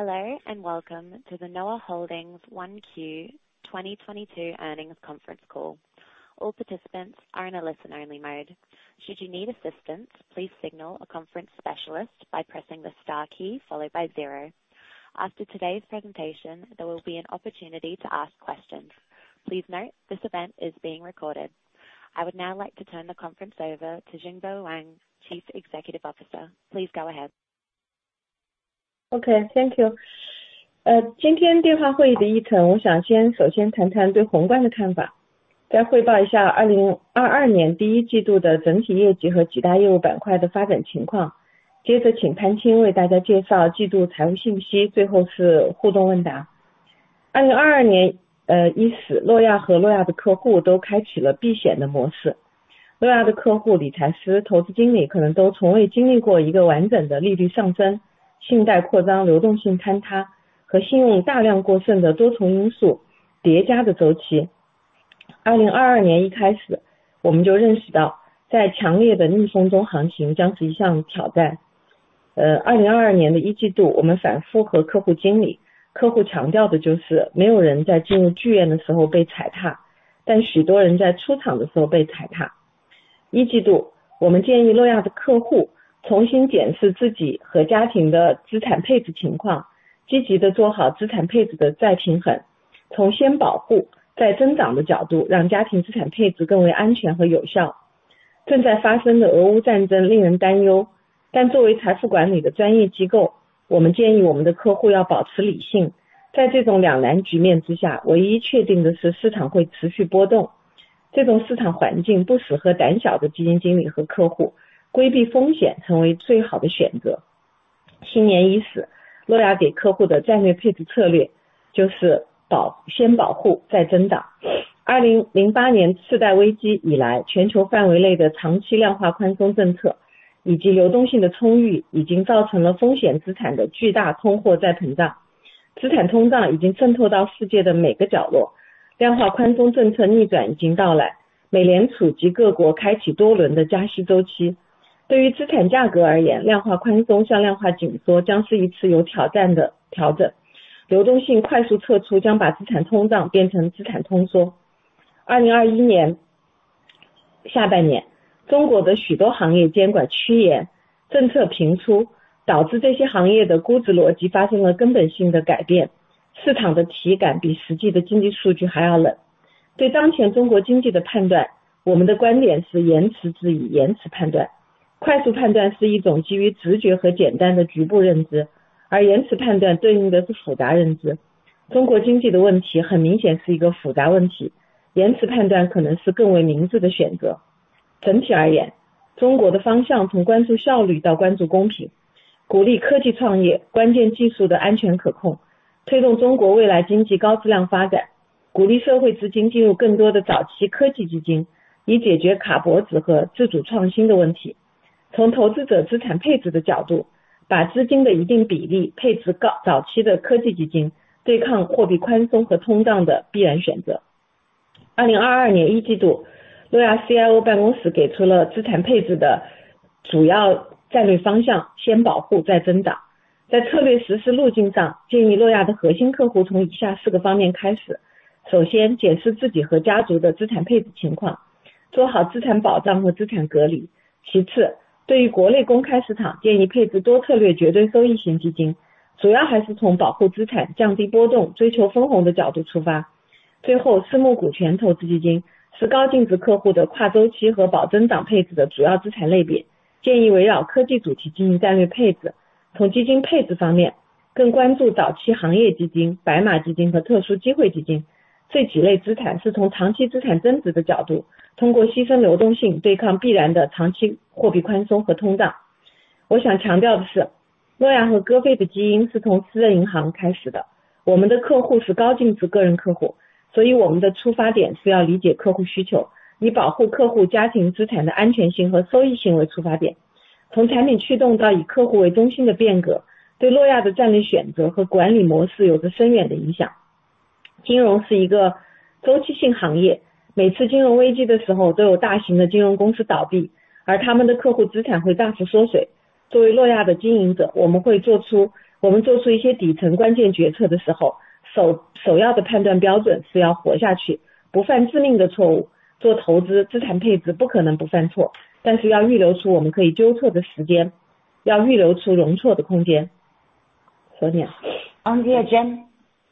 Hello，欢迎收听Noah Holdings一季度二十二年的业绩电话会议。所有参加者开启只听模式。如果您需要协助，请按星号零。在今天的介绍之后，您将有时间提问。请注意，本次会议正在录音。现在将会议交给Jingbo Wang，Chief Executive Officer。请开始。今天电话会议的议程，我想先首先谈谈对宏观的看法，再汇报一下2022年第一季度的整体业绩和几大业务板块的发展情况。接着请潘青为大家介绍季度财务信息，最后是互动问答。2022年伊始，诺亚和诺亚的客户都开启了避险的模式。诺亚的客户、理财师、投资经理可能都从未经历过一个完整的利率上升、信贷扩张、流动性坍塌和信用大量过剩的多重因素叠加的周期。2022年一开始，我们就认识到，在强烈的逆风中，行情将是一项挑战。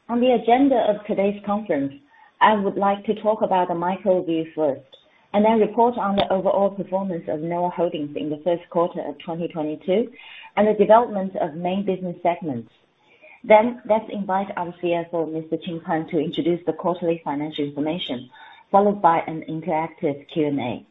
On the agenda of today's conference, I would like to talk about the micro view first, and then report on the overall performance of Noah Holdings in the first quarter of 2022, and the development of main business segments. Let's invite our CFO, Mr. Qing Pan to introduce the quarterly financial information, followed by an interactive Q&A.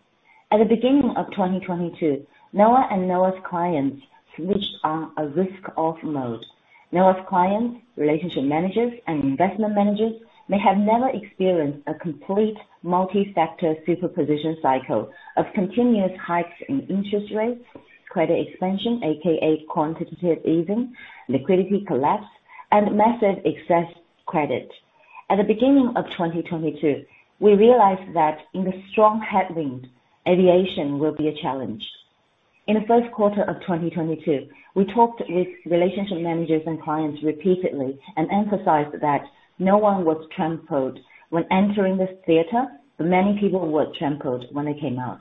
At the beginning of 2022, Noah and Noah's clients switched to a risk-off mode. Noah's clients, relationship managers and investment managers may have never experienced a complete multi-factor superposition cycle of continuous hikes in interest rates, credit expansion, AKA quantitative easing, liquidity collapse, and massive excess credit. At the beginning of 2022, we realized that in the strong headwind, navigation will be a challenge. In the first quarter of 2022, we talked with relationship managers and clients repeatedly and emphasized that no one was trampled when entering this theater, but many people were trampled when they came out.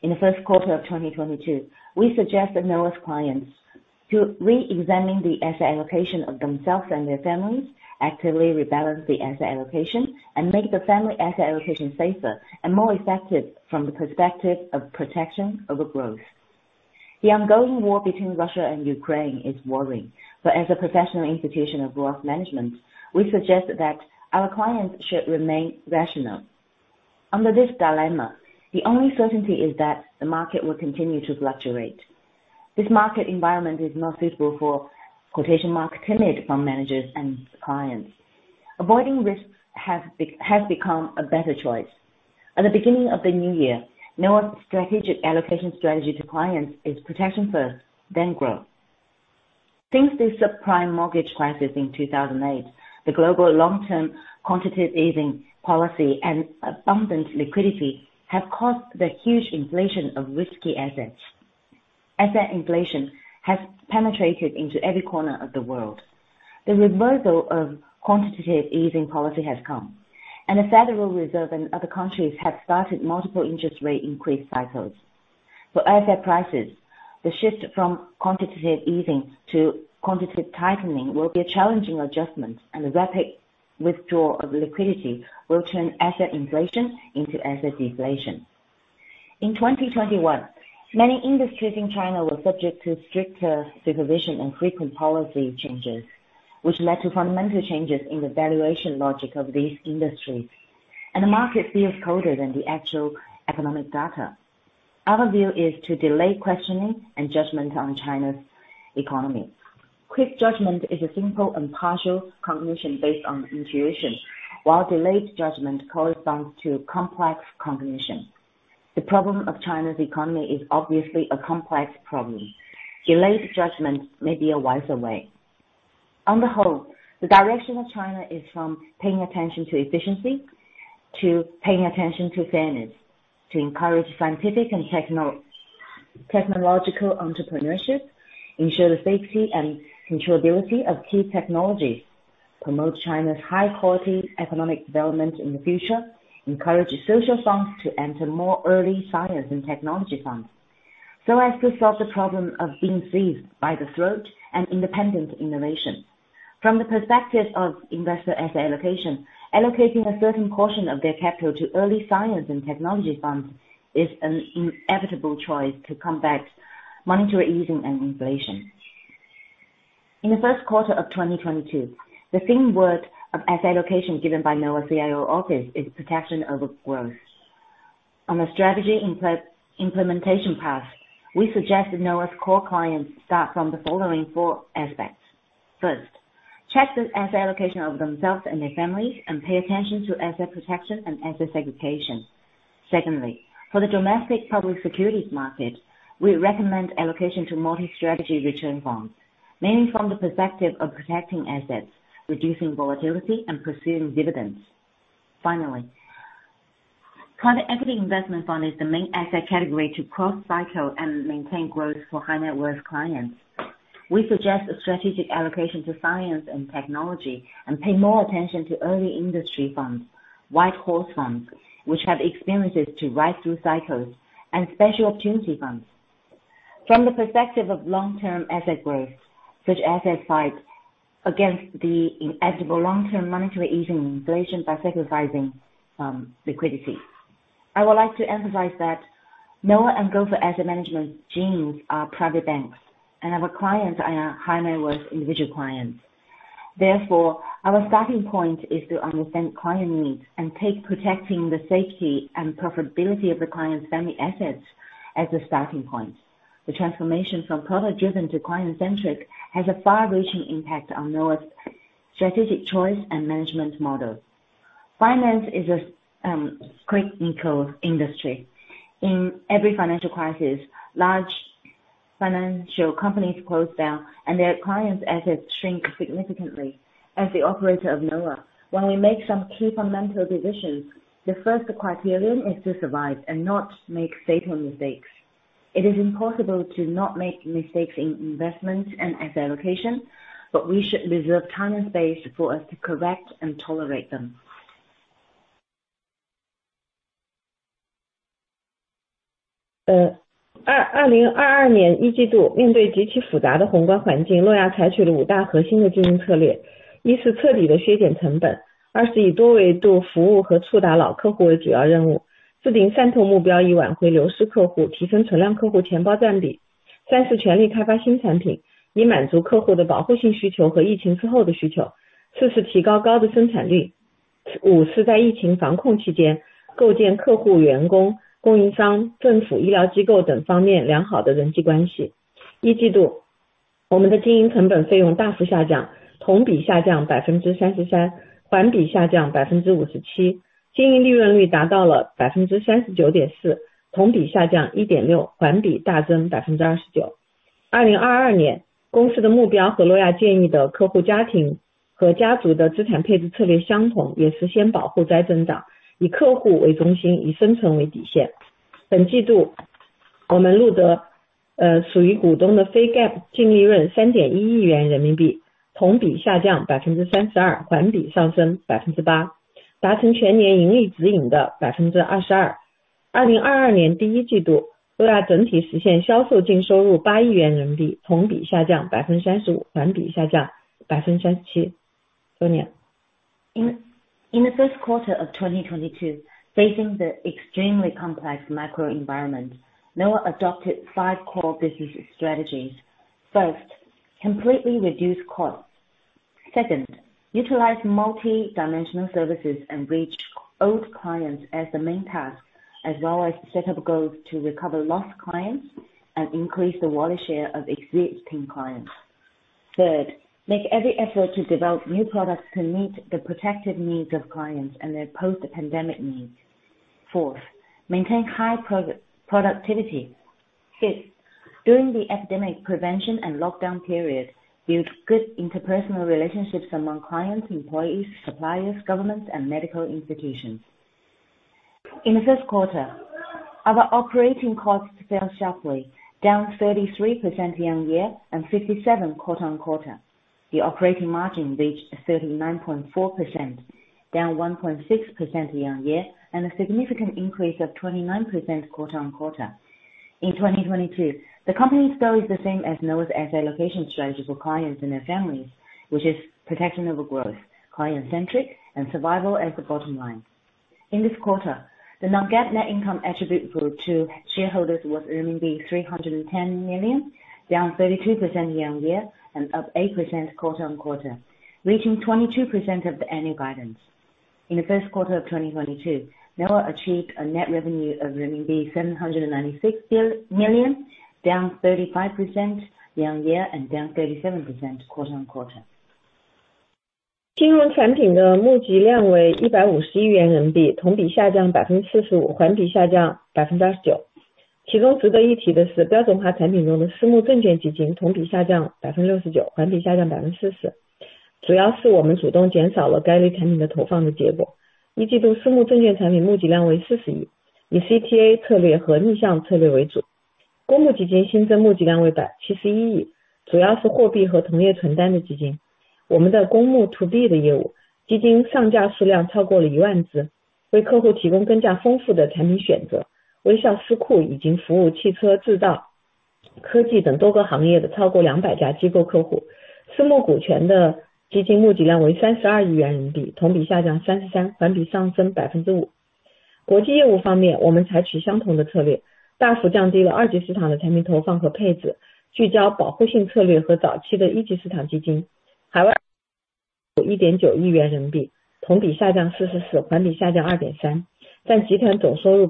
In the first quarter of 2022, we suggested Noah's clients to re-examine the asset allocation of themselves and their families, actively rebalance the asset allocation, and make the family asset allocation safer and more effective from the perspective of protection over growth. The ongoing war between Russia and Ukraine is worrying, but as a professional institution of growth management, we suggest that our clients should remain rational. Under this dilemma, the only certainty is that the market will continue to fluctuate. This market environment is not suitable for quote-unquote timid fund managers and clients. Avoiding risk has become a better choice. At the beginning of the new year, Noah's strategic allocation strategy to clients is protection first, then growth. Since the subprime mortgage crisis in 2008, the global long-term quantitative easing policy and abundant liquidity have caused the huge inflation of risky assets. Asset inflation has penetrated into every corner of the world. The reversal of quantitative easing policy has come, and the Federal Reserve and other countries have started multiple interest rate increase cycles. For asset prices, the shift from quantitative easing to quantitative tightening will be a challenging adjustment, and the rapid withdrawal of liquidity will turn asset inflation into asset deflation. In 2021, many industries in China were subject to stricter supervision and frequent policy changes, which led to fundamental changes in the valuation logic of these industries, and the market feels colder than the actual economic data. Our view is to delay questioning and judgment on China's economy. Quick judgment is a simple and partial cognition based on intuition, while delayed judgment corresponds to complex cognition. The problem of China's economy is obviously a complex problem. Delayed judgment may be a wiser way. On the whole, the direction of China is from paying attention to efficiency, to paying attention to fairness, to encourage scientific and technological entrepreneurship, ensure the safety and controllability of key technologies, promote China's high quality economic development in the future, encourage social funds to enter more early science and technology funds so as to solve the problem of being seized by the throat and independent innovation. From the perspective of investor asset allocation, allocating a certain portion of their capital to early science and technology funds is an inevitable choice to combat monetary easing and inflation. In the first quarter of 2022, the theme word of asset allocation given by Noah CIO office is protection over growth. On the strategy implementation path, we suggest that Noah's core clients start from the following four aspects. First, check the asset allocation of themselves and their families and pay attention to asset protection and asset segregation. Secondly, for the domestic public securities market, we recommend allocation to multi-strategy return funds, mainly from the perspective of protecting assets, reducing volatility, and pursuing dividends. Finally, private equity investment fund is the main asset category to cross cycle and maintain growth for high net worth clients. We suggest a strategic allocation to science and technology and pay more attention to early industry funds, white horse funds, which have experiences to ride through cycles, and special opportunity funds. From the perspective of long-term asset growth, such assets fight against the inevitable long-term monetary easing and inflation by sacrificing liquidity. I would like to emphasize that Noah and Gopher Asset Management's genes are private banking, and our clients are high net worth individual clients. Therefore, our starting point is to understand client needs and take protecting the safety and profitability of the client's family assets as a starting point. The transformation from product driven to client centric has a far-reaching impact on Noah's strategic choice and management model. Finance is a cyclical industry. In every financial crisis, large financial companies close down and their clients' assets shrink significantly. As the operator of Noah, when we make some key fundamental decisions, the first criterion is to survive and not make fatal mistakes. It is impossible to not make mistakes in investments and asset allocation, but we should reserve time and space for us to correct and tolerate them. In the first quarter of 2022, facing an extremely complex macro environment, Noah adopted five core management strategies. First, thoroughly cutting costs. Second, focusing on multi-dimensional services and activating existing customers as the main task, with the goal of winning back lost customers and increasing the share of wallet of existing customers. Third, fully developing new products to meet customers' protective needs and post-pandemic needs. Fourth, increasing high yields. Fifth, during the epidemic prevention period, building customer, employee, supplier, government, medical institutions, and other aspects of good relationships. In Q1, our operating costs dropped significantly, down 33% year-on-year, down 57% quarter-on-quarter. Operating profit margin reached 39.4%, down 1.6% year-on-year, up 29% quarter-on-quarter. 2022年公司的目标和诺亚建议的客户家庭和家族的资产配置策略相同，也实现保后再增长，以客户为中心，以生存为底线。本季度我们录得属于股东的非GAAP净利润3.1亿元人民币，同比下降32%，环比上升8%，达成全年盈利指引的22%。2022年第一季度，诺亚整体实现销售净收入8亿元人民币，同比下降35%，环比下降37%。Sonia。In the first quarter of 2022, facing the extremely complex macro environment, Noah adopted five core business strategies. First, completely reduce costs. Second, utilize multi-dimensional services and reach old clients as the main task, as well as set up goals to recover lost clients and increase the wallet share of existing clients. Third, make every effort to develop new products to meet the projected needs of clients and their post-pandemic needs. Fourth, maintain high productivity. Fifth, during the epidemic prevention and lockdown period, build good interpersonal relationships among clients, employees, suppliers, governments and medical institutions. In the first quarter, our operating costs fell sharply, down 33% year-on-year and 57% quarter-on-quarter. The operating margin reached 39.4%, down 1.6% year-on-year, and a significant increase of 29% quarter-on-quarter. In 2022, the company's goal is the same as Noah's asset allocation strategy for clients and their families, which is protection over growth, client centric and survival as the bottom line. In this quarter, the non-GAAP net income attributable to shareholders was 310 million, down 32% year-on-year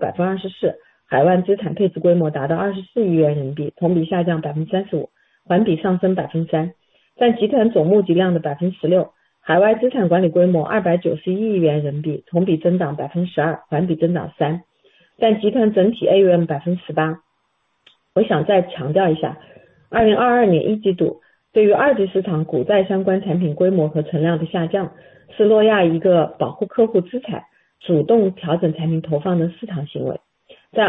and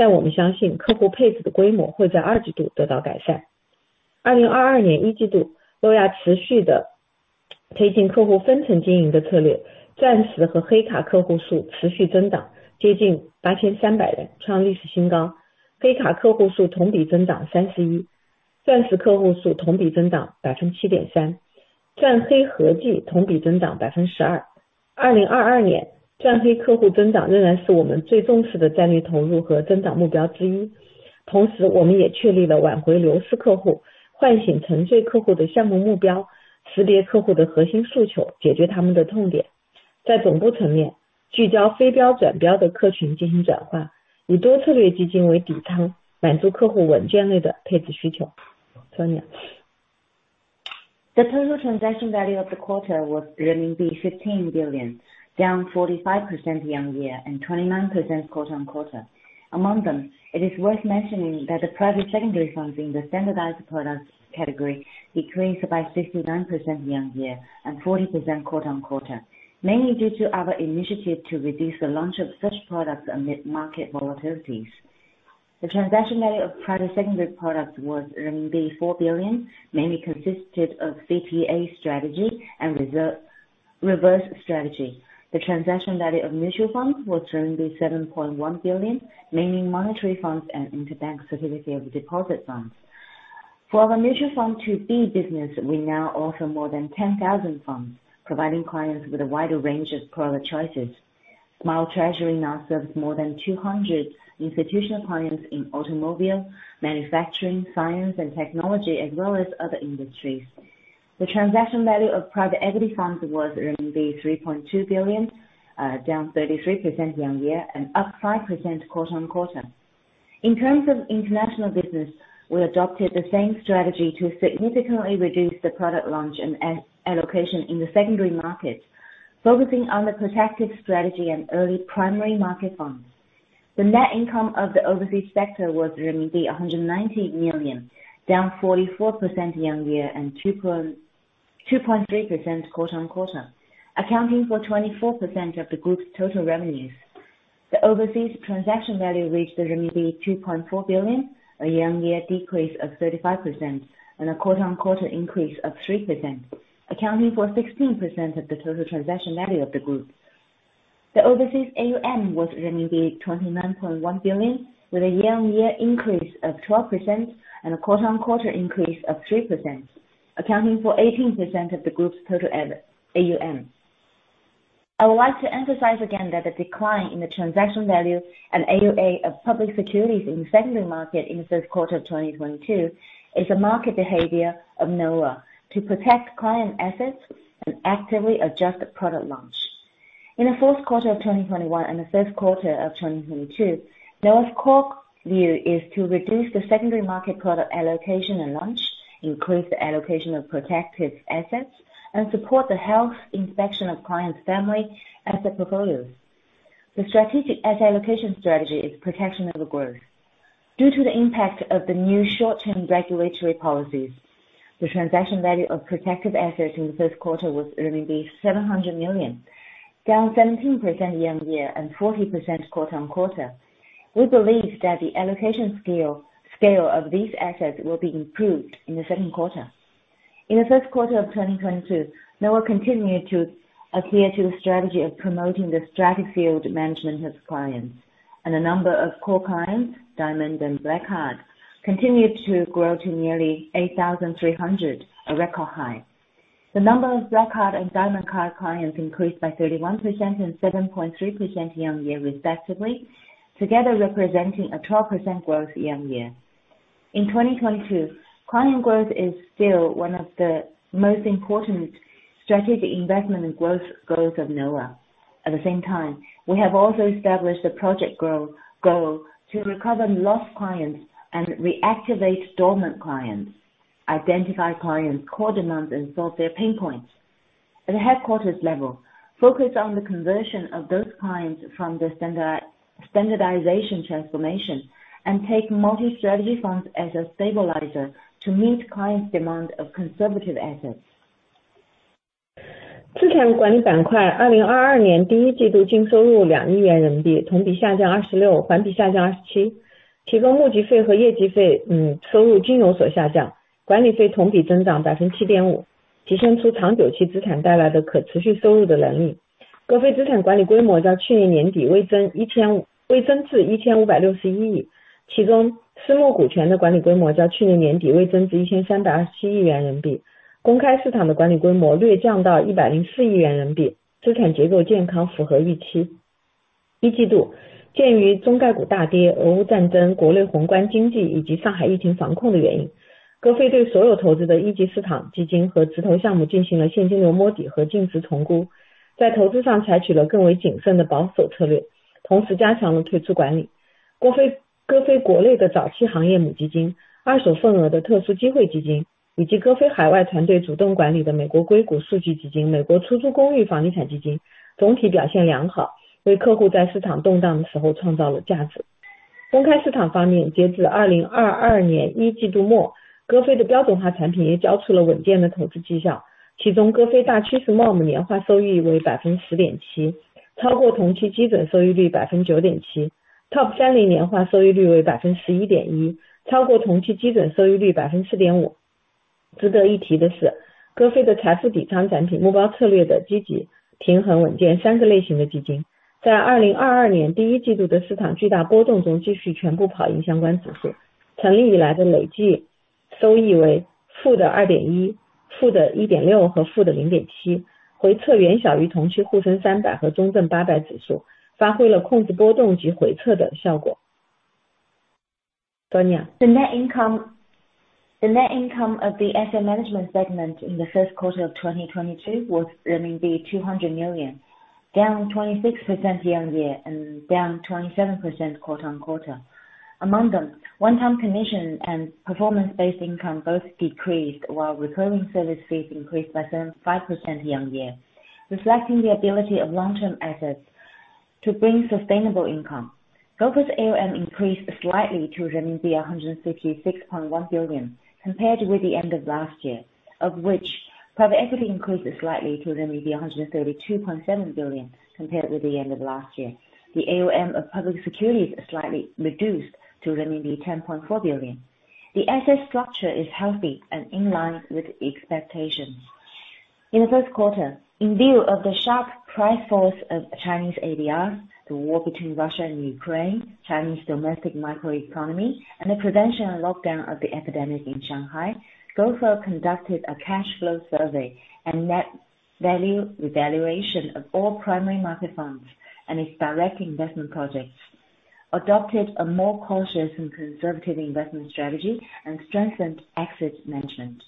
up 8% quarter-on-quarter, reaching 22% of the annual guidance. In the first quarter of 2022, Noah achieved a net revenue of RMB 796 million, down 35% year-on-year and down 37% quarter-on-quarter. 金融产品的募集量为人民币151亿元，同比下降45%，环比下降29%。其中值得一提的是，标准化产品中的私募证券基金同比下降69%，环比下降40%，主要是我们主动减少了该类产品的投放的结果。一季度私募证券产品募集量为40亿，以CTA策略和逆向策略为主。公募基金新增募集量为171亿，主要是货币和同业存单的基金。我们的公募to B的业务，基金上架数量超过了一万只，为客户提供更加丰富的产品选择，微笑私库已经服务汽车、制造、科技等多个行业的超过两百家机构客户。私募股权的基金募集量为人民币32亿元，同比下降33%，环比上升5%。国际业务方面，我们采取相同的策略，大幅降低了二级市场的产品投放和配置，聚焦保护性策略和早期的一级市场基金。海外有亿点九亿元人民币，同比下降44%，环比下降2.3%，占集团总收入24%。海外资产配置规模达到人民币24亿元，同比下降35%，环比上升3%，占集团总募集量的16%。海外资产管理规模人民币291亿元，同比增长12%，环比增长3%，占集团整体AUM 18%。我想再强调一下，2022年一季度对于二级市场股债相关产品规模和存量的下降，是诺亚一个保护客户资产、主动调整产品投放的市场行为。在2021年四季度和2022年一季度，诺亚的核心观点就是降低客户在二级市场的产品配置和投放，加大保护性资产的配置，支持客户端的家庭资产健康度检查。战略资产配置策略是先保后再增长，保护性的产品，一季度由于受短期监管的影响，客户配置规模为7亿，同比下降17%，环比下降40%。但我们相信客户配置的规模会在二季度得到改善。2022年一季度，诺亚持续地推进客户分层经营的策略，Diamond Card和Black Card客户数持续增长，接近8,300人，创历史新高。Black Card客户数同比增长31%，Diamond Card客户数同比增长7.3%，钻黑合计同比增长12%。2022年，钻黑客户增长仍然是我们最重视的战略投入和增长目标之一。同时，我们也确立了挽回流失客户、唤醒沉睡客户的项目目标，识别客户的核心诉求，解决他们的痛点。在总部层面，聚焦非标转标的客群进行转换，以多策略基金为底仓，满足客户稳健类的配置需求。Sonia。The total transaction value of the quarter was renminbi 15 billion, down 45% year-on-year and 29% quarter-on-quarter. Among them, it is worth mentioning that the private secondary funds in the standardized products category decreased by 69% year-on-year and 40% quarter-on-quarter, mainly due to our initiative to reduce the launch of such products amid market volatilities. The transaction value of private secondary products was 4 billion, mainly consisted of CTA strategy and reverse strategy. The transaction value of mutual funds was 7.1 billion, mainly monetary funds and interbank certificate of deposit funds. For our mutual fund to B business, we now offer more than 10,000 funds, providing clients with a wider range of product choices. Small treasury now serves more than 200 institutional clients in automobile, manufacturing, science and technology, as well as other industries. The transaction value of private equity funds was 3.2 billion, down 33% year-over-year and up 5% quarter-over-quarter. In terms of international business, we adopted the same strategy to significantly reduce the product launch and asset allocation in the secondary markets, focusing on the protective strategy and early primary market bonds. The net income of the overseas sector was 190 million, down 44% year-over-year and 2.3% quarter-over-quarter, accounting for 24% of the group's total revenues. The overseas transaction value reached 2.4 billion, a year-on-year decrease of 35% and a quarter-on-quarter increase of 3%, accounting for 16% of the total transaction value of the group. The overseas AUM was 29.1 billion, with a year-on-year increase of 12% and a quarter-on-quarter increase of 3%, accounting for 18% of the group's total AUM. I would like to emphasize again that the decline in the transaction value and AUM of public securities in the secondary market in the third quarter of 2022 is a market behavior of Noah to protect client assets and actively adjust the product launch. In the fourth quarter of 2021 and the first quarter of 2022, Noah's core view is to reduce the secondary market product allocation and launch, increase the allocation of protective assets, and support the health inspection of clients' family asset portfolios. The strategic asset allocation strategy is protection over growth. Due to the impact of the new short-term regulatory policies, the transaction value of protective assets in the third quarter was 700 million, down 17% year-on-year and 40% quarter-on-quarter. We believe that the allocation scale of these assets will be improved in the second quarter. In the first quarter of 2022, Noah continued to adhere to the strategy of promoting the strategic field management of clients, and the number of core clients, Diamond Card and Black Card, continued to grow to nearly 8,300, a record high. The number of Black Card and Diamond Card clients increased by 31% and 7.3% year-on-year respectively, together representing a 12% growth year-on-year. In 2022, client growth is still one of the most important strategic investment and growth goals of Noah. At the same time, we have also established a project growth goal to recover lost clients and reactivate dormant clients, identify clients' core demands, and solve their pain points. At a headquarters level, focus on the conversion of those clients from the standardization transformation and take multi-strategy funds as a stabilizer to meet clients' demand of conservative assets. The net income of the asset management segment in the first quarter of 2022 was 200 million, down 26% year-on-year and down 27% quarter-on-quarter. Among them, one-time commission and performance-based income both decreased while recurring service fees increased by 75% year-on-year, reflecting the ability of long-term assets to bring sustainable income. Gopher AUM increased slightly to renminbi 166.1 billion compared with the end of last year, of which private equity increased slightly to renminbi 132.7 billion compared with the end of last year. The AUM of public securities slightly reduced to 10.4 billion. The asset structure is healthy and in line with expectations. In the first quarter, in view of the sharp price falls of Chinese ADRs, the war between Russia and Ukraine, Chinese domestic microeconomy and the prevention and lockdown of the epidemic in Shanghai, Gopher conducted a cash flow survey and net value revaluation of all primary market funds and its direct investment projects. Adopted a more cautious and conservative investment strategy and strengthened exit management.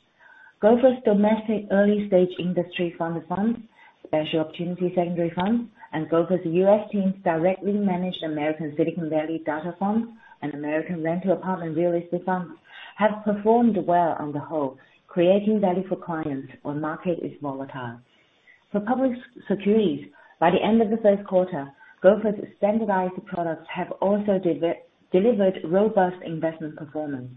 Gopher's domestic early-stage industry fund of funds, special opportunity secondary funds, and Gopher's US teams directly managed American Silicon Valley venture funds and American rental apartment real estate funds, have performed well on the whole, creating value for clients when market is volatile. For public securities, by the end of the first quarter, Gopher's standardized products have also delivered robust investment performance.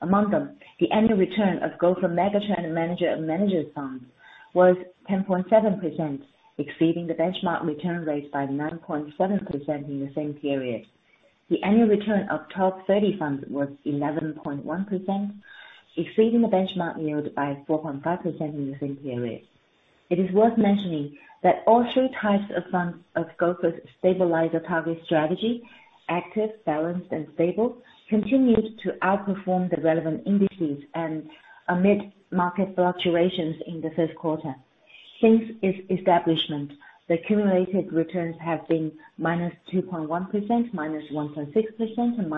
Among them, the annual return of Gopher Megatrend Manager of Managers fund was 10.7%, exceeding the benchmark return rate by 9.7% in the same period. The annual return of top thirty funds was 11.1%, exceeding the benchmark yield by 4.5% in the same period. It is worth mentioning that all three types of funds of Gopher's stabilizer target strategy, active, balanced, and stable, continued to outperform the relevant indices and amid market fluctuations in the first quarter. Since its establishment, the accumulated returns have been -2.1%, -1.6%, and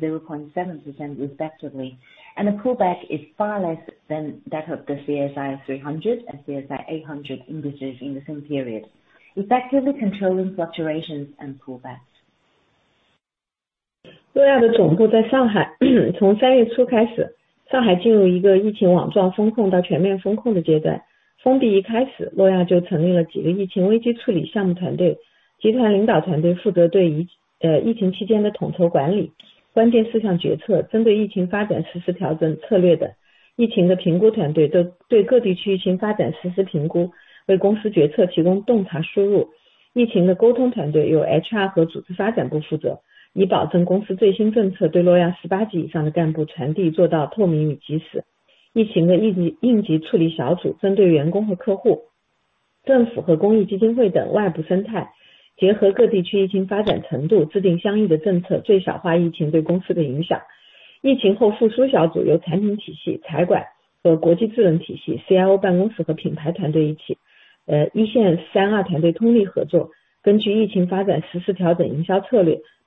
-0.7% respectively, and the pullback is far less than that of the CSI 300 and CSI 800 indices in the same period, effectively controlling fluctuations and pullbacks. Noah Holdings.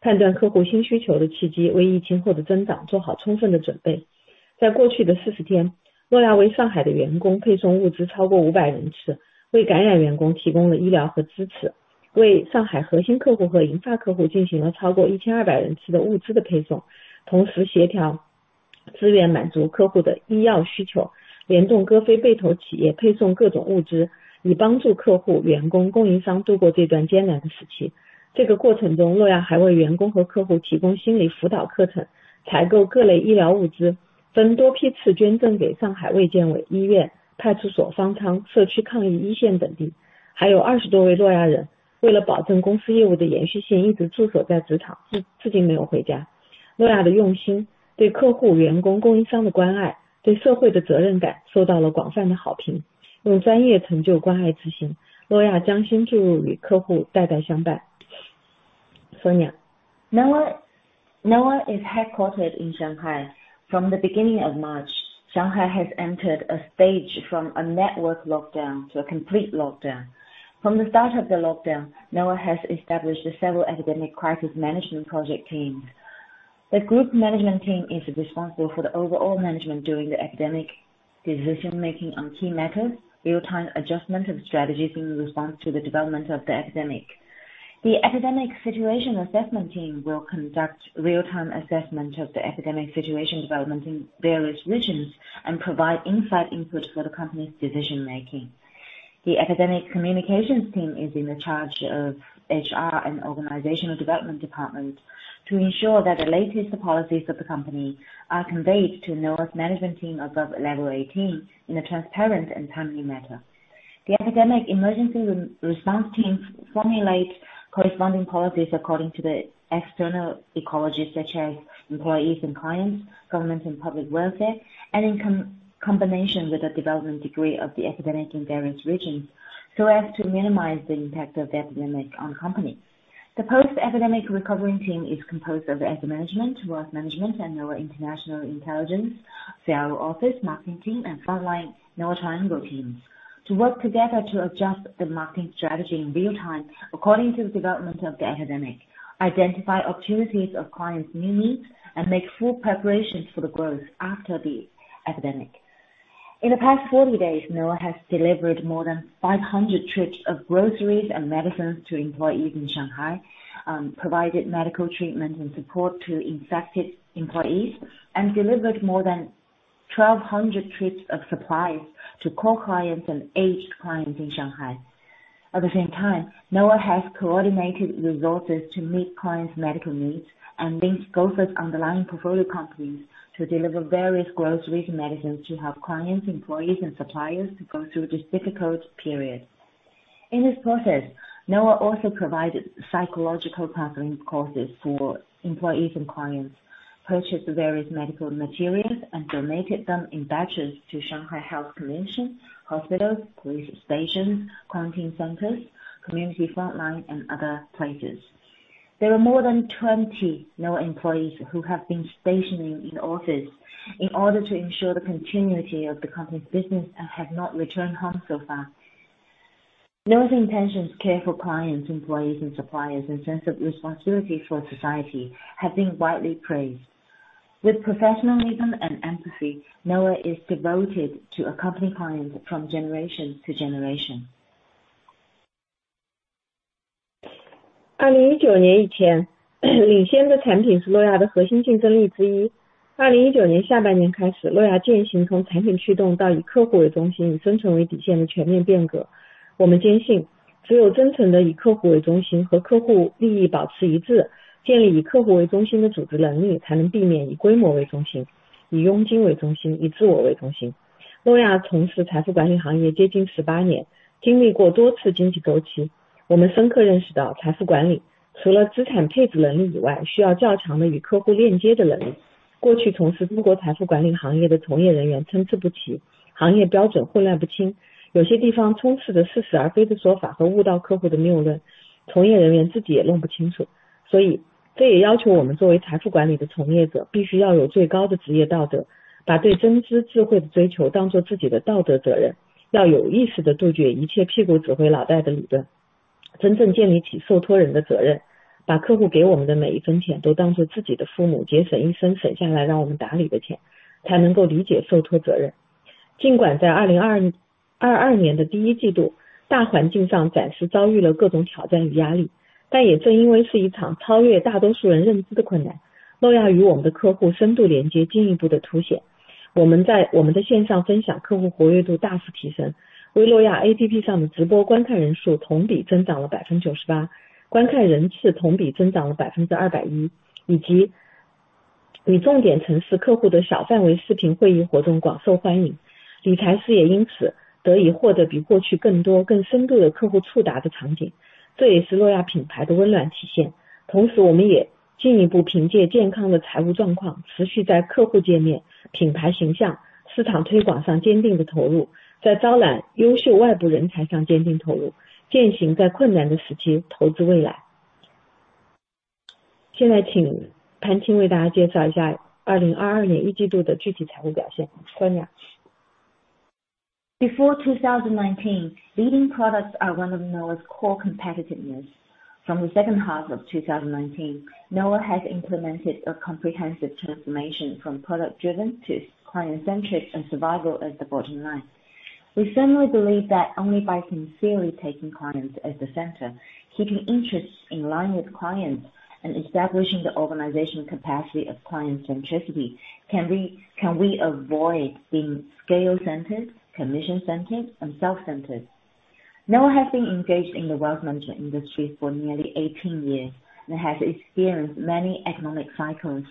Noah Holdings is headquartered in Shanghai. From the beginning of March, Shanghai has entered a stage from a network lockdown to a complete lockdown. From the start of the lockdown, Noah has established several epidemic crisis management project teams. The group management team is responsible for the overall management during the epidemic, decision-making on key matters, real-time adjustment of strategies in response to the development of the epidemic. The epidemic situation assessment team will conduct real-time assessment of the epidemic situation development in various regions and provide insight input for the company's decision-making. The epidemic communications team is in charge of HR and organizational development department to ensure that the latest policies of the company are conveyed to Noah's management team above level 18 in a transparent and timely manner. The epidemic emergency response team formulates corresponding policies according to the external ecology, such as employees and clients, government and public welfare, and in combination with the development degree of the epidemic in various regions, so as to minimize the impact of the epidemic on the company. The post-epidemic recovery team is composed of asset management, risk management, and our international intelligence, sales office, marketing team, and frontline Noah Triangle teams, to work together to adjust the marketing strategy in real time according to the development of the epidemic, identify opportunities of clients' new needs, and make full preparations for the growth after the epidemic. In the past 40 days, Noah has delivered more than 500 trips of groceries and medicines to employees in Shanghai, provided medical treatment and support to infected employees, and delivered more than 1,200 trips of supplies to core clients and aged clients in Shanghai. At the same time, Noah has coordinated resources to meet clients' medical needs and linked Gopher's underlying portfolio companies to deliver various groceries and medicines to help clients, employees and suppliers to go through this difficult period. In this process, Noah also provided psychological counseling courses for employees and clients, purchased various medical materials, and donated them in batches to Shanghai Municipal Health Commission, hospitals, police stations, quarantine centers, community front line, and other places. There are more than 20 Noah employees who have been stationed in the office in order to ensure the continuity of the company's business and have not returned home so far. Noah's intentions, care for clients, employees, and suppliers, and sense of responsibility for society have been widely praised. With professionalism and empathy, Noah is devoted to accompany clients from generation to generation. 2019年以前，领先的产品是诺亚的核心竞争力之一。2019年下半年开始，诺亚进行从产品驱动到以客户为中心、以真诚为底线的全面变革。我们坚信，只有真诚地以客户为中心和客户利益保持一致，建立以客户为中心的组织能力，才能避免以规模为中心、以佣金为中心、以自我为中心。诺亚从事财富管理行业接近十八年，经历过多次经济周期，我们深刻认识到财富管理除了资产配置能力以外，需要较强的与客户链接的能力。过去从事中国财富管理行业的从业人员参差不齐，行业标准混乱不清，有些地方充斥着似是而非的说法和误导客户的谬论，从业人员自己也弄不清楚。所以这也要求我们作为财富管理的从业者，必须要有最高的职业道德，把对真知智慧的追求当做自己的道德责任，要有意识地杜绝一切屁股指挥脑袋的理论，真正建立起受托人的责任。把客户给我们的每一分钱都当做自己的父母节省一生省下来让我们打理的钱，才能够理解受托责任。尽管在2022年的第一季度，大环境上暂时遭遇了各种挑战与压力，但也正因为是一场超越大多数人认知的困难，诺亚与我们的客户深度连接进一步的凸显。我们在我们的线上分享，客户活跃度大幅提升。微诺亚APP上的直播观看人数同比增长了98%，观看人次同比增长了201%，以及与重点城市客户的小范围视频会议活动广受欢迎。理财师也因此得以获得比过去更多更深度的客户触达的场景，这也是诺亚品牌的温暖体现。同时，我们也进一步凭借健康的财务状况，持续在客户界面、品牌形象、市场推广上坚定地投入，在招揽优秀外部人才上坚定投入，践行在困难的时期投资未来。现在请潘青为大家介绍一下2022年一季度的具体财务表现。Sonia。Before 2019, leading products are one of Noah's core competitiveness. From the second half of 2019, Noah has implemented a comprehensive transformation from product-driven to client-centric and survival as the bottom line. We firmly believe that only by sincerely taking clients as the center, keeping interests in line with clients, and establishing the organization capacity of client centricity, can we avoid being scale-centered, commission-centered, and self-centered. Noah has been engaged in the wealth management industry for nearly 18 years, and has experienced many economic cycles.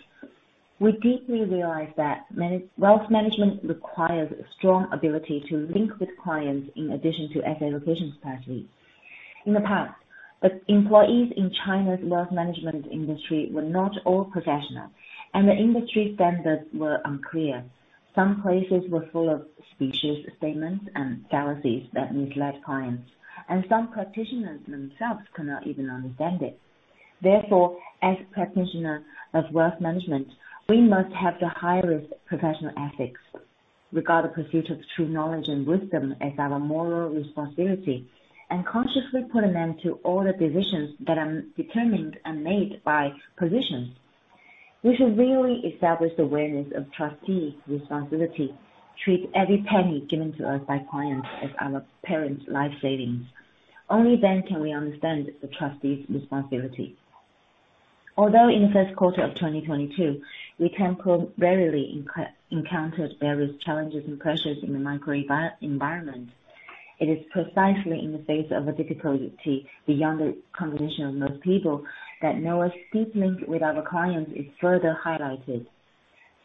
We deeply realize that wealth management requires strong ability to link with clients in addition to asset allocation strategies. In the past, the employees in China's wealth management industry were not all professional, and the industry standards were unclear. Some places were full of specious statements and fallacies that misled clients, and some practitioners themselves could not even understand it. Therefore, as practitioner of wealth management, we must have the highest professional ethics, regard the pursuit of true knowledge and wisdom as our moral responsibility, and consciously put an end to all the decisions that are determined and made by positions. We should really establish awareness of trustees responsibility. Treat every penny given to us by clients as our parents' life savings. Only then can we understand the trustee's responsibility. Although in the first quarter of 2022, we temporarily encountered various challenges and pressures in the macro environment, it is precisely in the face of a difficulty beyond the cognition of most people that Noah's deep link with our clients is further highlighted.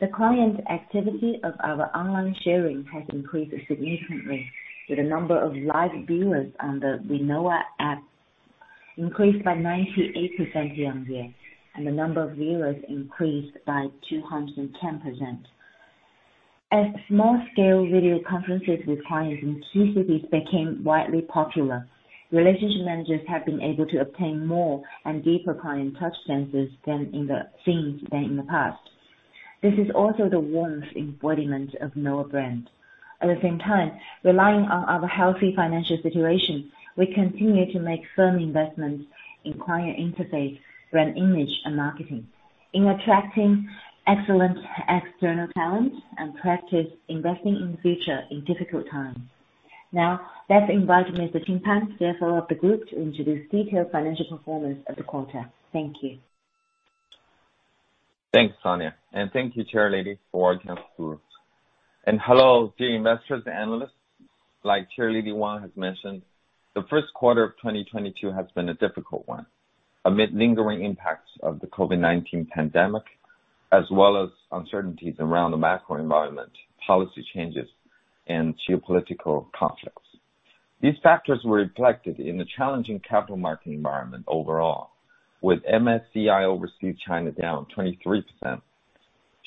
The client activity of our online sharing has increased significantly, with the number of live viewers on the Noah app increased by 98% year-on-year, and the number of viewers increased by 210%. Small-scale video conferences with clients in key cities became widely popular. Relationship managers have been able to obtain more and deeper client touchpoints than in the past. This is also the warmth embodiment of Noah brand. At the same time, relying on our healthy financial situation, we continue to make firm investments in client interface, brand image and marketing, in attracting excellent external talents and proactively investing in the future in difficult times. Now, let's invite Mr. Qing Pan, CFO of the group, to introduce detailed financial performance of the quarter. Thank you. Thanks, Sonia, and thank you, Chair Lady, for introducing the groups. Hello dear investors and analysts. Like Chair Lady Wang has mentioned, the first quarter of 2022 has been a difficult one amid lingering impacts of the COVID-19 pandemic, as well as uncertainties around the macro environment, policy changes and geopolitical conflicts. These factors were reflected in the challenging capital market environment overall. With MSCI Overseas China down 23%,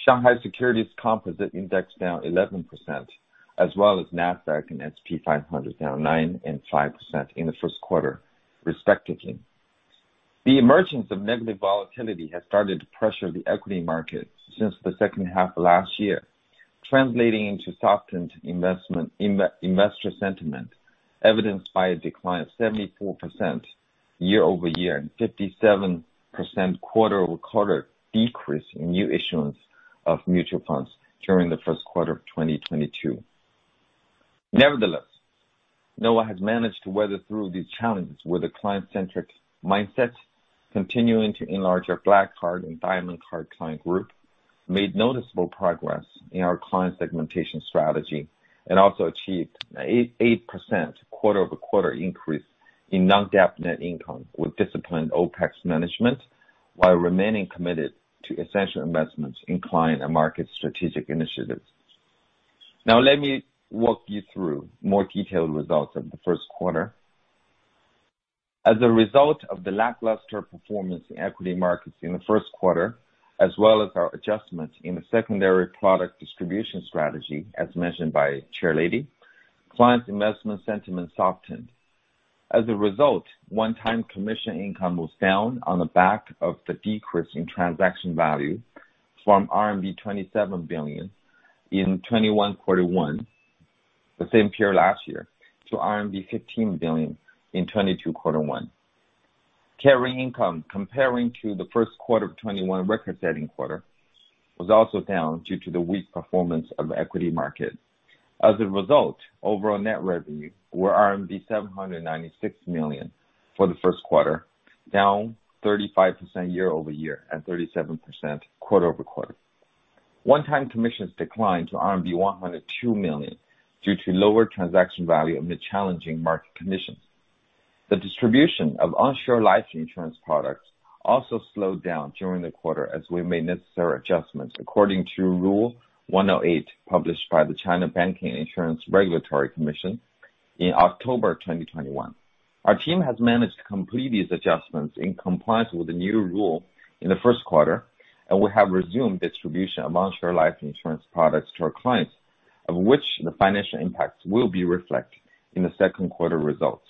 Shanghai Securities Composite Index down 11%, as well as Nasdaq and S&P 500 down 9% and 5% in the first quarter, respectively. The emergence of negative volatility has started to pressure the equity market since the second half of last year, translating into softened investment and investor sentiment, evidenced by a decline of 74% year-over-year and 57% quarter-over-quarter decrease in new issuance of mutual funds during the first quarter of 2022. Nevertheless, NOAH has managed to weather through these challenges with a client-centric mindset, continuing to enlarge our Black Card and Diamond Card client group, made noticeable progress in our client segmentation strategy, and also achieved an 8.8% quarter-over-quarter increase in non-GAAP net income with disciplined OpEx management, while remaining committed to essential investments in client and market strategic initiatives. Now let me walk you through more detailed results of the first quarter. As a result of the lackluster performance in equity markets in the first quarter, as well as our adjustment in the secondary product distribution strategy, as mentioned by Chair Lady, client investment sentiment softened. As a result, one-time commission income was down on the back of the decrease in transaction value from RMB 27 billion in 2021 quarter one, the same period last year, to RMB 15 billion in 2022 quarter one. Carrying income comparing to the first quarter of 2021 record-setting quarter was also down due to the weak performance of the equity market. As a result, overall net revenue were RMB 796 million for the first quarter, down 35% year-over-year and 37% quarter-over-quarter. One-time commissions declined to RMB 102 million due to lower transaction value amid challenging market conditions. The distribution of onshore life insurance products also slowed down during the quarter as we made necessary adjustments according to Rule 108, published by the China Banking and Insurance Regulatory Commission in October 2021. Our team has managed to complete these adjustments in compliance with the new rule in the first quarter, and we have resumed distribution of onshore life insurance products to our clients, of which the financial impacts will be reflect in the second quarter results.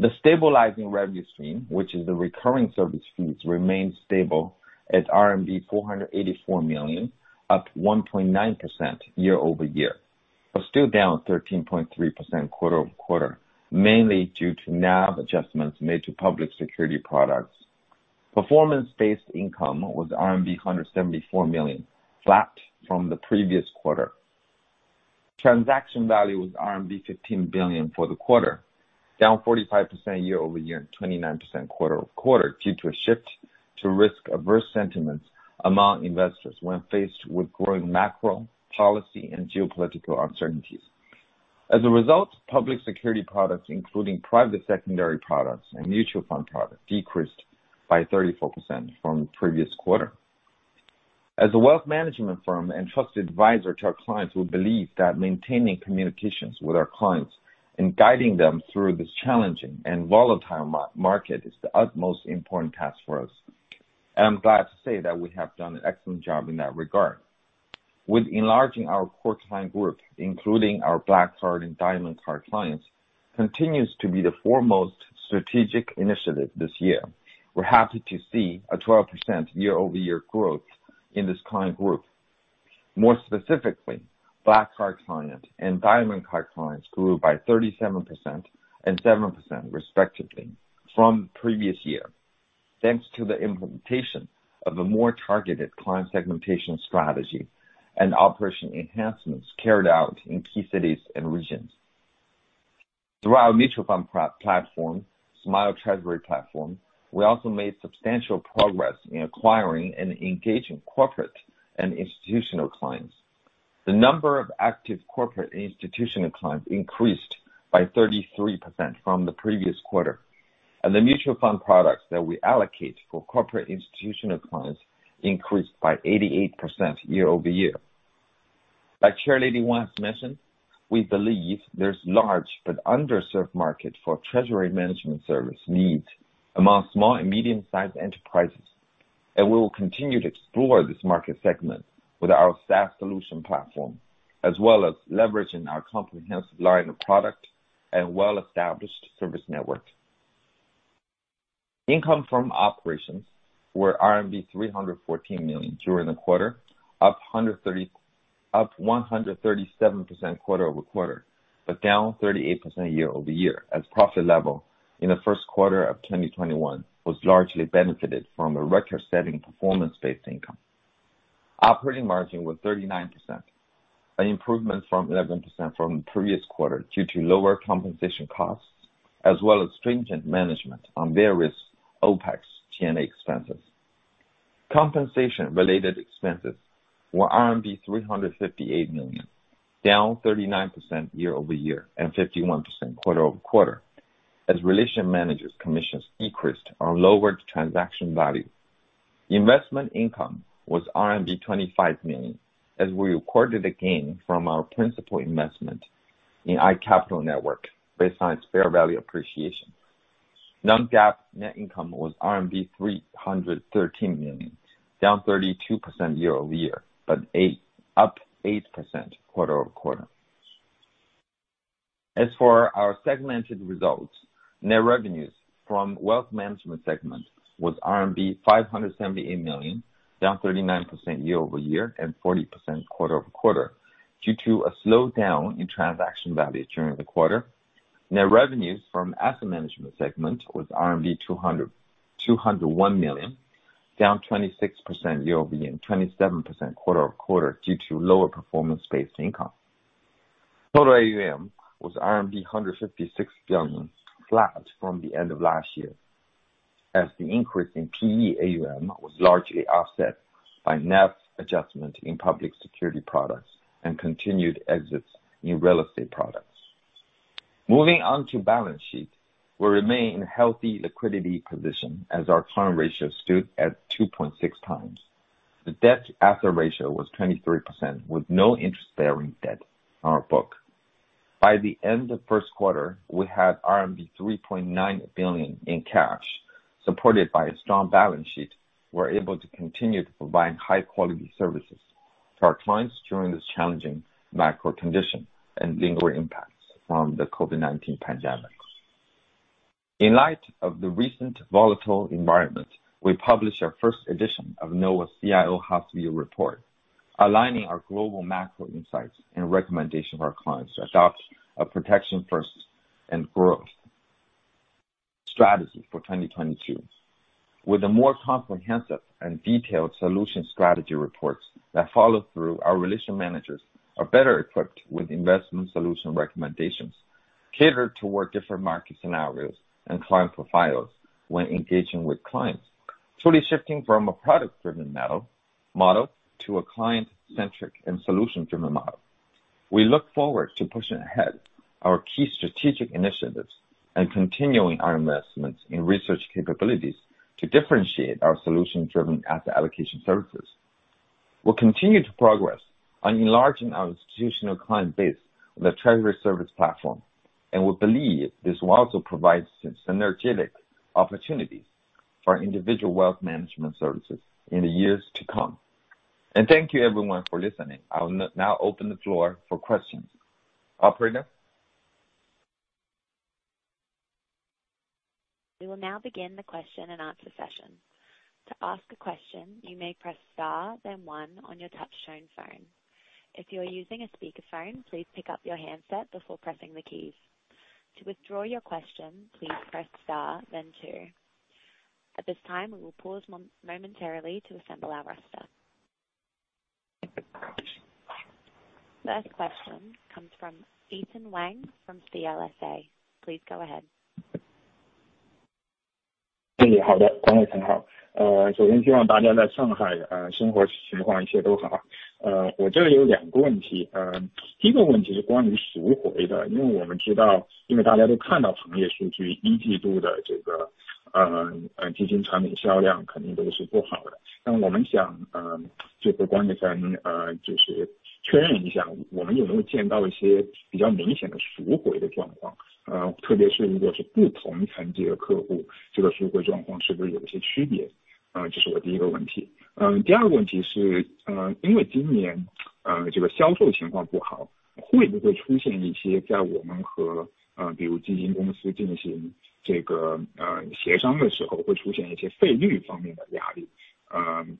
The stabilizing revenue stream, which is the recurring service fees, remained stable at RMB 484 million, up 1.9% year-over-year, but still down 13.3% quarter-over-quarter, mainly due to NAV adjustments made to public security products. Performance-based income was RMB 174 million, flat from the previous quarter. Transaction value was RMB 15 billion for the quarter, down 45% year-over-year and 29% quarter-over-quarter, due to a shift to risk-averse sentiments among investors when faced with growing macro policy and geopolitical uncertainties. As a result, public securities products, including private secondary products and mutual fund products, decreased by 34% from the previous quarter. As a wealth management firm and trusted advisor to our clients, we believe that maintaining communications with our clients and guiding them through this challenging and volatile market is the utmost important task for us, and I'm glad to say that we have done an excellent job in that regard. With enlarging our core client group, including our Black Card and Diamond Card clients, continues to be the foremost strategic initiative this year. We're happy to see a 12% year-over-year growth in this client group. More specifically, Black Card clients and Diamond Card clients grew by 37% and 7%, respectively, from previous year, thanks to the implementation of a more targeted client segmentation strategy and operation enhancements carried out in key cities and regions. Through our mutual fund platform, Smile Treasury platform, we also made substantial progress in acquiring and engaging corporate and institutional clients. The number of active corporate institutional clients increased by 33% from the previous quarter, and the mutual fund products that we allocate for corporate institutional clients increased by 88% year-over-year. Like Chair Lady Wang mentioned, we believe there's large but underserved market for treasury management service needs among small and medium-sized enterprises, and we will continue to explore this market segment with our SaaS solution platform, as well as leveraging our comprehensive line of product and well-established service network. Income from operations were RMB 314 million during the quarter, up 137% quarter-over-quarter, but down 38% year-over-year as profit level in the first quarter of 2021 was largely benefited from a record-setting performance-based income. Operating margin was 39%, an improvement from 11% from the previous quarter due to lower compensation costs as well as stringent management on various OpEx G&A expenses. Compensation-related expenses were RMB 358 million, down 39% year-over-year and 51% quarter-over-quarter as relationship managers' commissions decreased on lowered transaction value. Investment income was RMB 25 million as we recorded a gain from our principal investment in iCapital Network based on its fair value appreciation. non-GAAP net income was RMB 313 million, down 32% year-over-year, but up 8% quarter-over-quarter. As for our segmented results, net revenues from wealth management segment was RMB 578 million, down 39% year-over-year and 40% quarter-over-quarter, due to a slowdown in transaction value during the quarter. Net revenues from asset management segment was 201 million, down 26% year-over-year, 27% quarter-over-quarter, due to lower performance-based income. Total AUM was RMB 156 billion, flat from the end of last year, as the increase in PE-AUM was largely offset by NAV adjustment in public securities products and continued exits in real estate products. Moving on to balance sheet. We remain in healthy liquidity position as our current ratio stood at 2.6 times. The debt-asset ratio was 23% with no interest-bearing debt on our book. By the end of first quarter, we had RMB 3.9 billion in cash. Supported by a strong balance sheet, we're able to continue to provide high quality services to our clients during this challenging macro condition and lingering impacts from the COVID-19 pandemic. In light of the recent volatile environment, we published our first edition of Noah CIO House View report, aligning our global macro insights and recommendation of our clients to adopt a protection first and growth strategy for 2022. With a more comprehensive and detailed solution strategy reports that follow through, our relationship managers are better equipped with investment solution recommendations catered toward different market scenarios and client profiles when engaging with clients. Fully shifting from a product-driven model to a client-centric and solution-driven model. We look forward to pushing ahead our key strategic initiatives and continuing our investments in research capabilities to differentiate our solution-driven asset allocation services. We'll continue to progress on enlarging our institutional client base, the treasury service platform, and we believe this will also provide synergetic opportunities for individual wealth management services in the years to come. Thank you everyone for listening. I will now open the floor for questions. Operator. We will now begin the question and answer session. To ask a question, you may press Star, then One on your touchtone phone. If you are using a speakerphone, please pick up your handset before pressing the keys. To withdraw your question, please press Star then Two. At this time, we will pause momentarily to assemble our roster. First question comes from Ethan Wang from CLSA. Please go ahead. I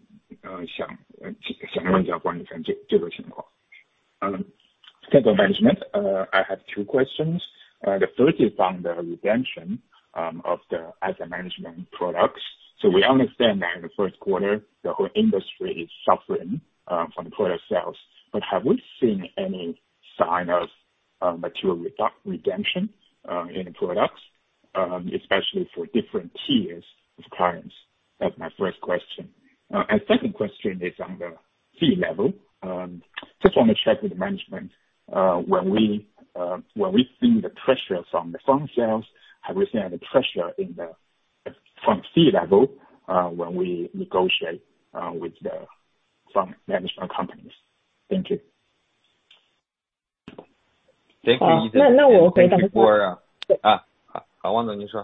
have two questions. The first is on the redemption of the asset management products. We understand that in the first quarter, the whole industry is suffering from product sales. Have we seen any sign of material redemption in the products, especially for different tiers of clients? That's my first question. Second question is on the fee level, just want to check with management, when we've seen the pressure from the fund sales, have we seen any pressure from fee level when we negotiate with the fund management companies? Thank you. Thank you, Ethan. 那，那我回答。好，王总您说。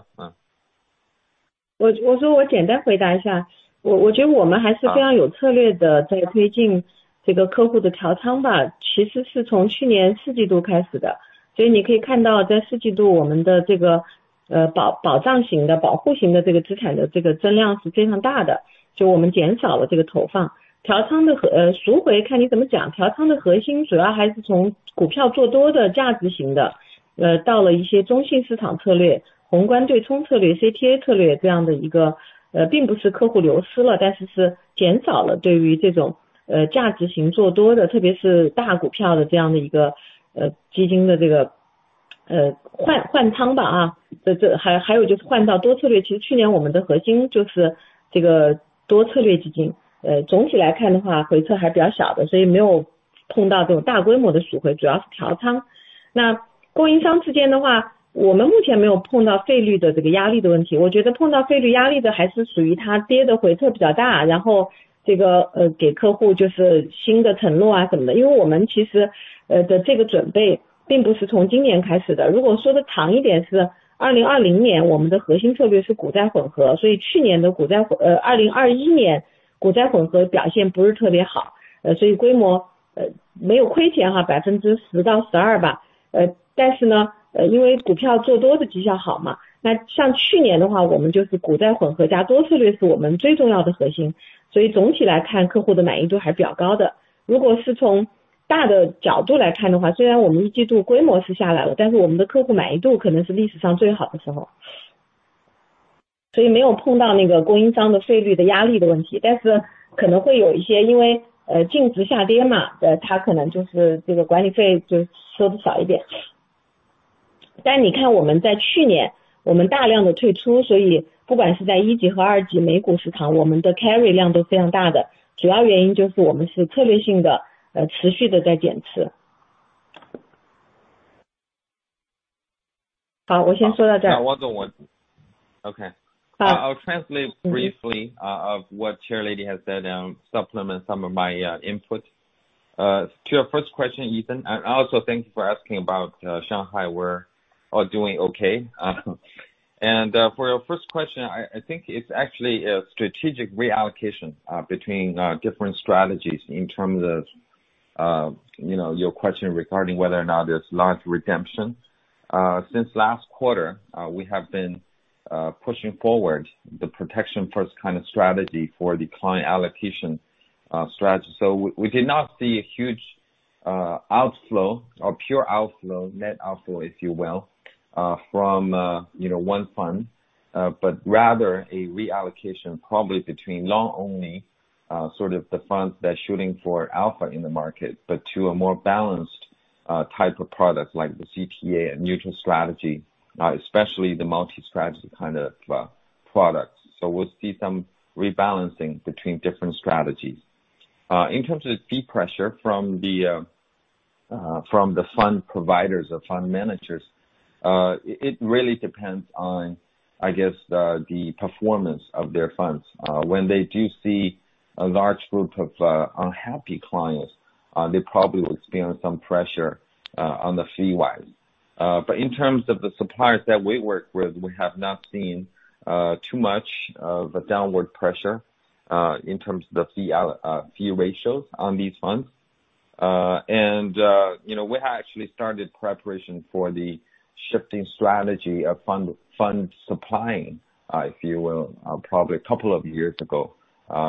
OK。OK. Also thank you for asking about Shanghai. We're all doing okay. For your first question, I think it's actually a strategic reallocation between different strategies in terms of you know, your question regarding whether or not there's large redemption. Since last quarter, we have been pushing forward the protection first kind of strategy for the client allocation strategy. We did not see a huge outflow or pure outflow, net outflow, if you will, from you know, one fund, but rather a reallocation probably between long only sort of the funds that seeking for alpha in the market, but to a more balanced type of product like the CTA and neutral strategy, especially the multi-strategy kind of products. We'll see some rebalancing between different strategies. In terms of fee pressure from the fund providers or fund managers, it really depends on, I guess, the performance of their funds. When they do see a large group of unhappy clients, they probably will experience some pressure on the fee-wise. In terms of the suppliers that we work with, we have not seen too much of a downward pressure, in terms of the fee ratios on these funds. You know, we have actually started preparation for the shifting strategy of fund supplying, if you will, probably a couple of years ago,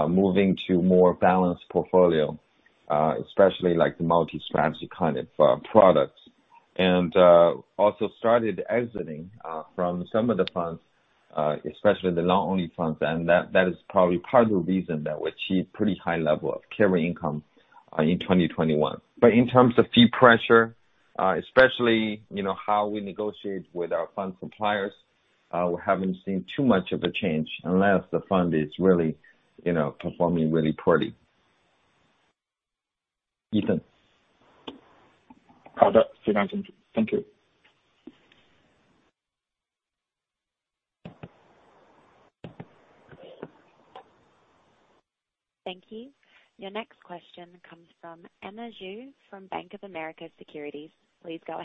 moving to more balanced portfolio, especially like the multi-strategy kind of products. We also started exiting from some of the funds, especially the long-only funds. That is probably part of the reason that we achieved pretty high level of carry income in 2021. In terms of fee pressure, especially you know, how we negotiate with our fund suppliers, we haven't seen too much of a change unless the fund is really, you know, performing really poorly. Ethan. 好 的，。Thank you。Thank you. Your next question comes from Emma Zhu from Bank of America Securities. Please go ahead.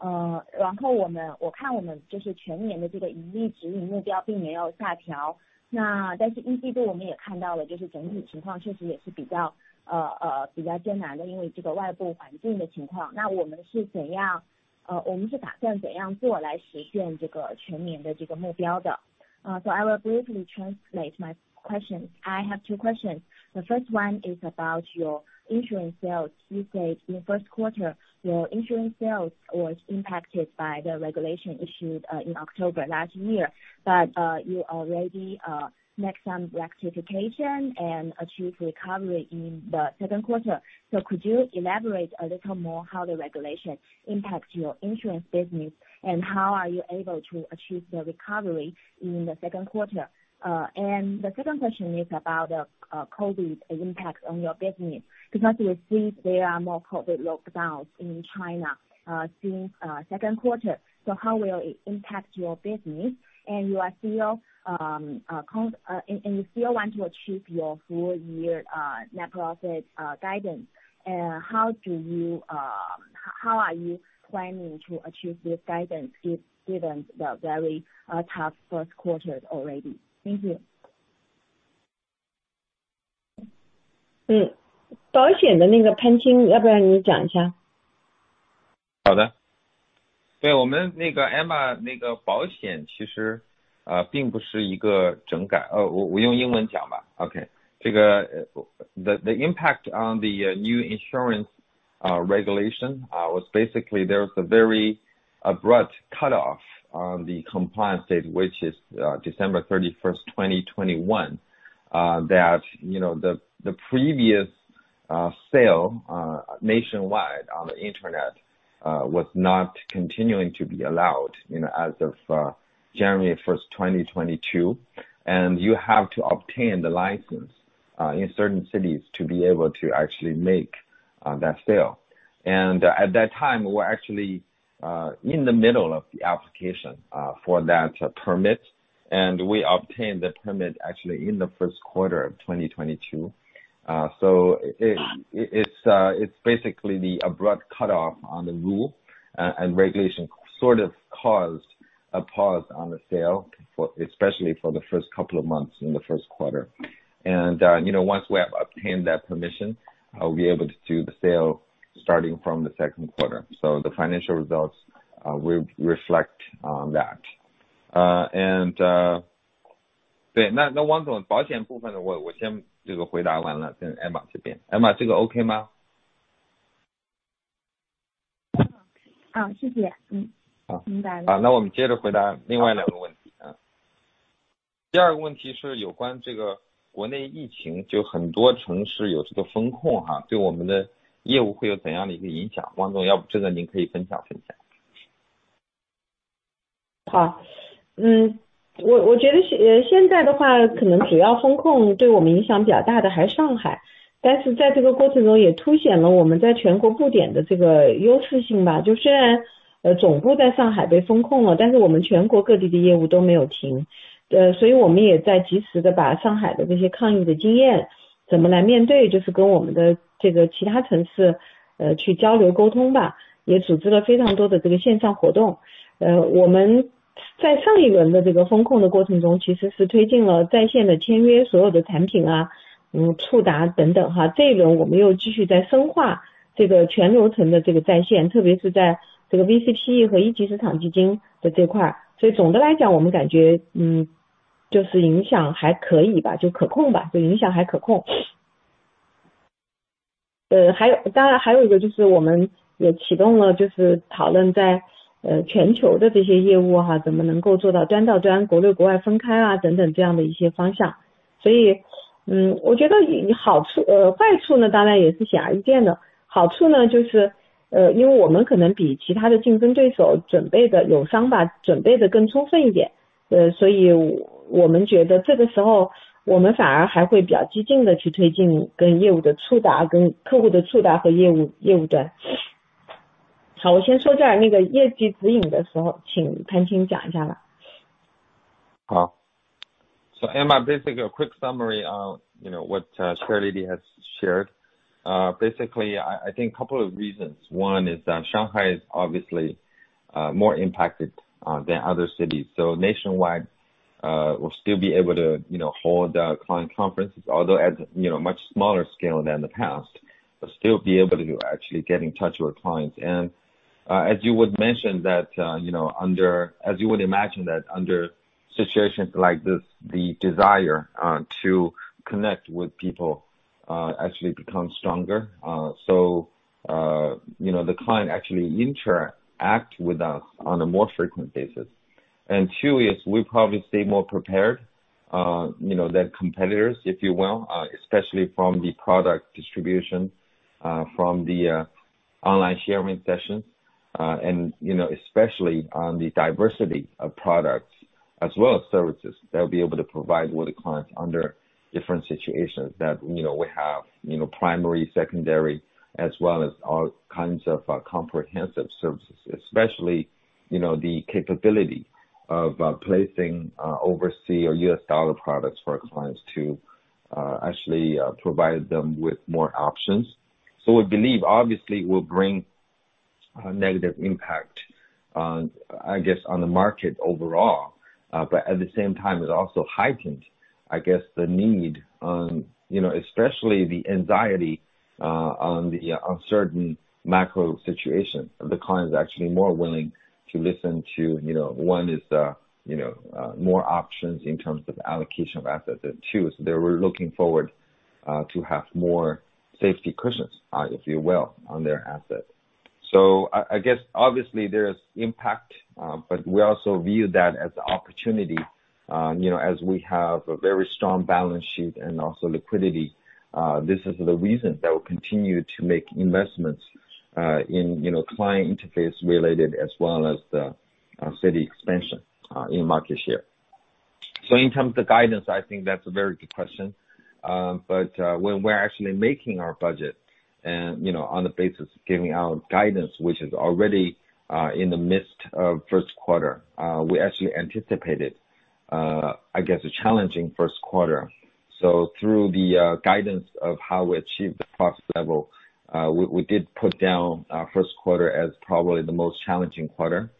I have two questions. The first one is about your insurance sales. You said in the first quarter your insurance sales was impacted by the regulation issued in October last year, but you already made some rectification and achieved recovery in the second quarter. So could you elaborate a little more on how the regulation impacts your insurance business, and how are you able to achieve the recovery in the second quarter? The second question is about COVID impact on your business, because we see there are more COVID lockdowns in China since the second quarter. So how will it impact your business? You still want to achieve your full year net profit guidance. How are you planning to achieve this guidance given the very tough first quarter already? Thank you. 保险的那个潘青，要不然你讲一下。好的。对我们那个Emma那个保险其实，并不是一个整改，我用英文讲吧。OK, the impact on the new insurance regulation was basically there was a very abrupt cut off on the compliance date, which is December 31, 2021, that you know the previous sale nationwide on the Internet was not continuing to be allowed, you know, as of January 1, 2022. You have to obtain the license in certain cities to be able to actually make that sale. At that time, we were actually in the middle of the application for that permit, and we obtained the permit actually in the first quarter of 2022. It's basically the abrupt cutoff on the rules and regulations sort of caused a pause in the sales, especially for the first couple of months in the first quarter. You know, once we have obtained that permission, I'll be able to do the sales starting from the second quarter. The financial results will reflect that. Emma, basically a quick summary on, you know, what Chair Lady has shared. Basically, I think a couple of reasons. One is, Shanghai is obviously more impacted than other cities. Nationwide, we'll still be able to, you know, hold our client conferences, although at, you know, much smaller scale than the past, but still be able to actually get in touch with clients. As you would imagine that under situations like this, the desire to connect with people actually becomes stronger. You know, the client actually interact with us on a more frequent basis. Two is we probably stay more prepared, you know, than competitors, if you will, especially from the product distribution, from the online sharing sessions, and, you know, especially on the diversity of products as well as services that we'll be able to provide with the clients under different situations that, you know, we have, you know, primary, secondary as well as all kinds of comprehensive services, especially, you know, the capability of placing overseas or US dollar products for our clients to actually provide them with more options. We believe obviously it will bring a negative impact on, I guess, on the market overall. But at the same time, it also heightens, I guess, the need on, you know, especially the anxiety on the uncertain macro situation. The client is actually more willing to listen to, you know, one is more options in terms of allocation of assets, and two is they were looking forward to have more safety cushions, if you will, on their assets. I guess obviously there is impact, but we also view that as opportunity, you know, as we have a very strong balance sheet and also liquidity. This is the reason that we continue to make investments in, you know, client interface related, as well as the city expansion in market share. In terms of guidance, I think that's a very good question. When we're actually making our budget and, you know, on the basis of giving our guidance, which is already in the midst of first quarter, we actually anticipated, I guess a challenging first quarter. Through the guidance of how we achieve the profit level, we did put down our first quarter as probably the most challenging quarter.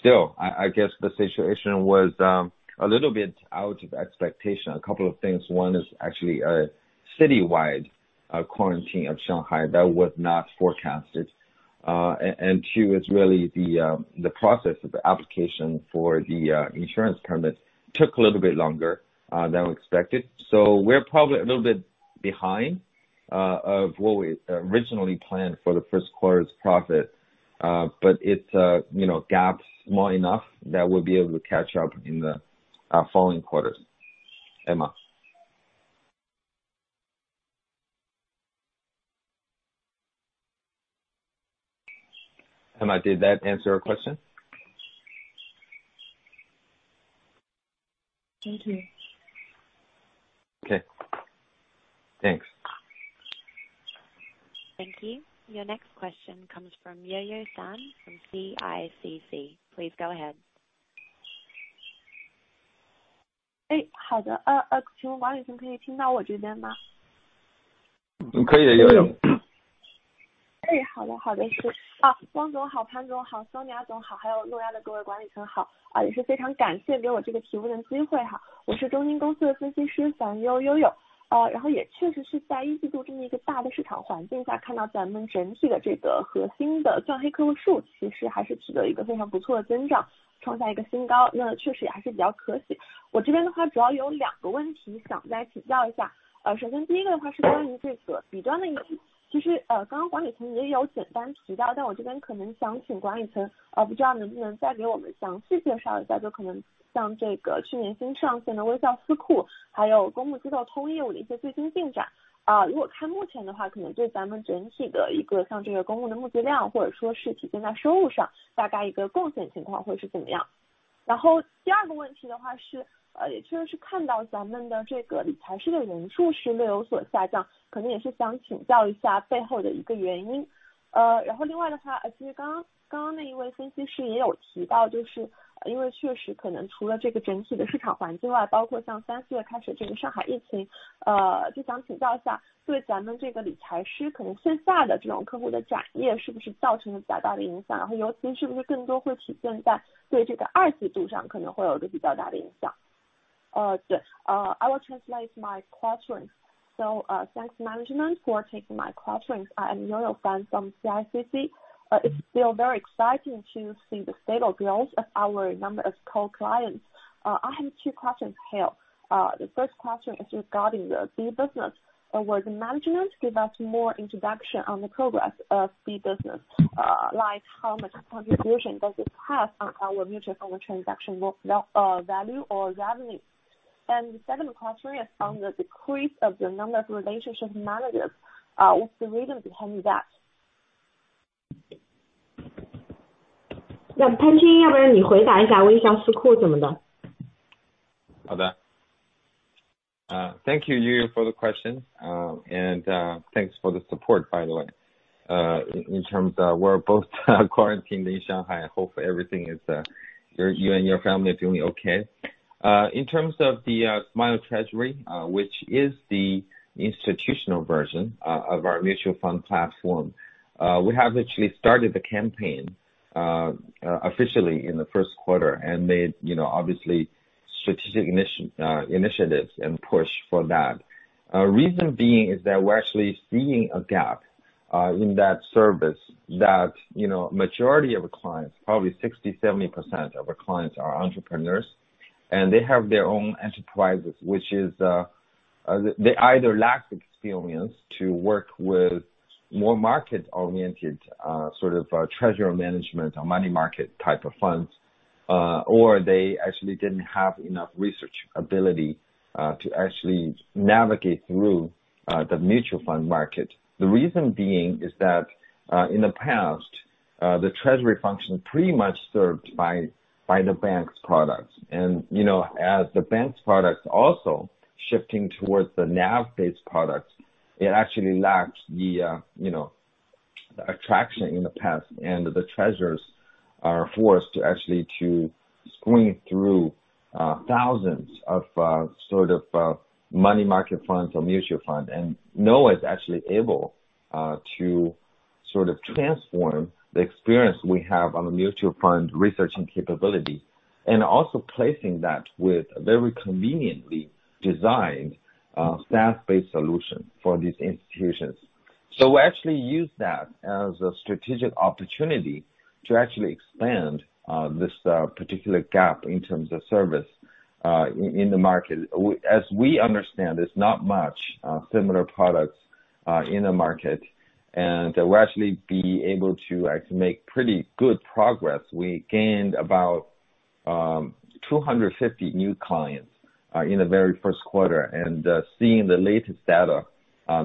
Still, I guess the situation was a little bit out of expectation. A couple of things. One is actually a citywide quarantine of Shanghai that was not forecasted. And two is really the process of the application for the insurance permits took a little bit longer than we expected. We're probably a little bit behind of what we originally planned for the first quarter's profit. It's you know, gap small enough that we'll be able to catch up in the following quarters. Emma. Emma, did that answer your question? Thank you. Okay。Thanks。Thank you. Your next question comes from Yoyo Fan from CICC. Please go ahead. 好的，请问王宇总可以听到我这边吗？ 可以的，尤由。好的好的，是。汪总好，潘总好，Sonia总好，还有诺亚的各位管理层好。也是非常感谢给我这个提问的机会。我是中金公司的分析师尤由，尤由。然后也确实是在一季度这么一个大的市场环境下，看到咱们整体的这个核心的Black I will translate my questions. Thanks management for taking my questions. I am 尤由 from CICC. It's still very exciting to see the stable growth of our number of core clients. I have two questions here. The first question is regarding the B business. Would the management give us more introduction on the progress of B business, like how much contribution does it have on our mutual transaction book value or revenue? And the second question is on the decrease of the number of relationship managers. What's the reason behind that? 那潘青，要不然你回答一下微笑私库怎么的。Okay. Thank you Yoyo for the question, and thanks for the support by the way, in terms of we're both quarantined in Shanghai, hope everything is you and your family is doing okay. In terms of the Smile Treasury, which is the institutional version of our mutual fund platform, we have actually started the campaign officially in the first quarter and made you know obviously strategic initiatives and push for that. Reason being is that we're actually seeing a gap in that service that you know majority of our clients, probably 60%-70% of our clients are entrepreneurs and they have their own enterprises, which is, they either lack the experience to work with more market-oriented sort of treasury management or money market type of funds, or they actually didn't have enough research ability to actually navigate through the mutual fund market. The reason being is that in the past, the treasury function pretty much served by the bank's products. You know, as the bank's products also shifting towards the NAV-based products, it actually lacks the you know, attraction in the past and the treasurers are forced to actually to screen through thousands of sort of money market funds or mutual fund, and no one is actually able to sort of transform the experience we have on the mutual fund research and capability, and also placing that with a very conveniently designed SaaS-based solution for these institutions. We actually use that as a strategic opportunity to actually expand this particular gap in terms of service in the market. As we understand, there's not much similar products in the market, and we'll actually be able to make pretty good progress. We gained about 250 new clients in the very first quarter. Seeing the latest data,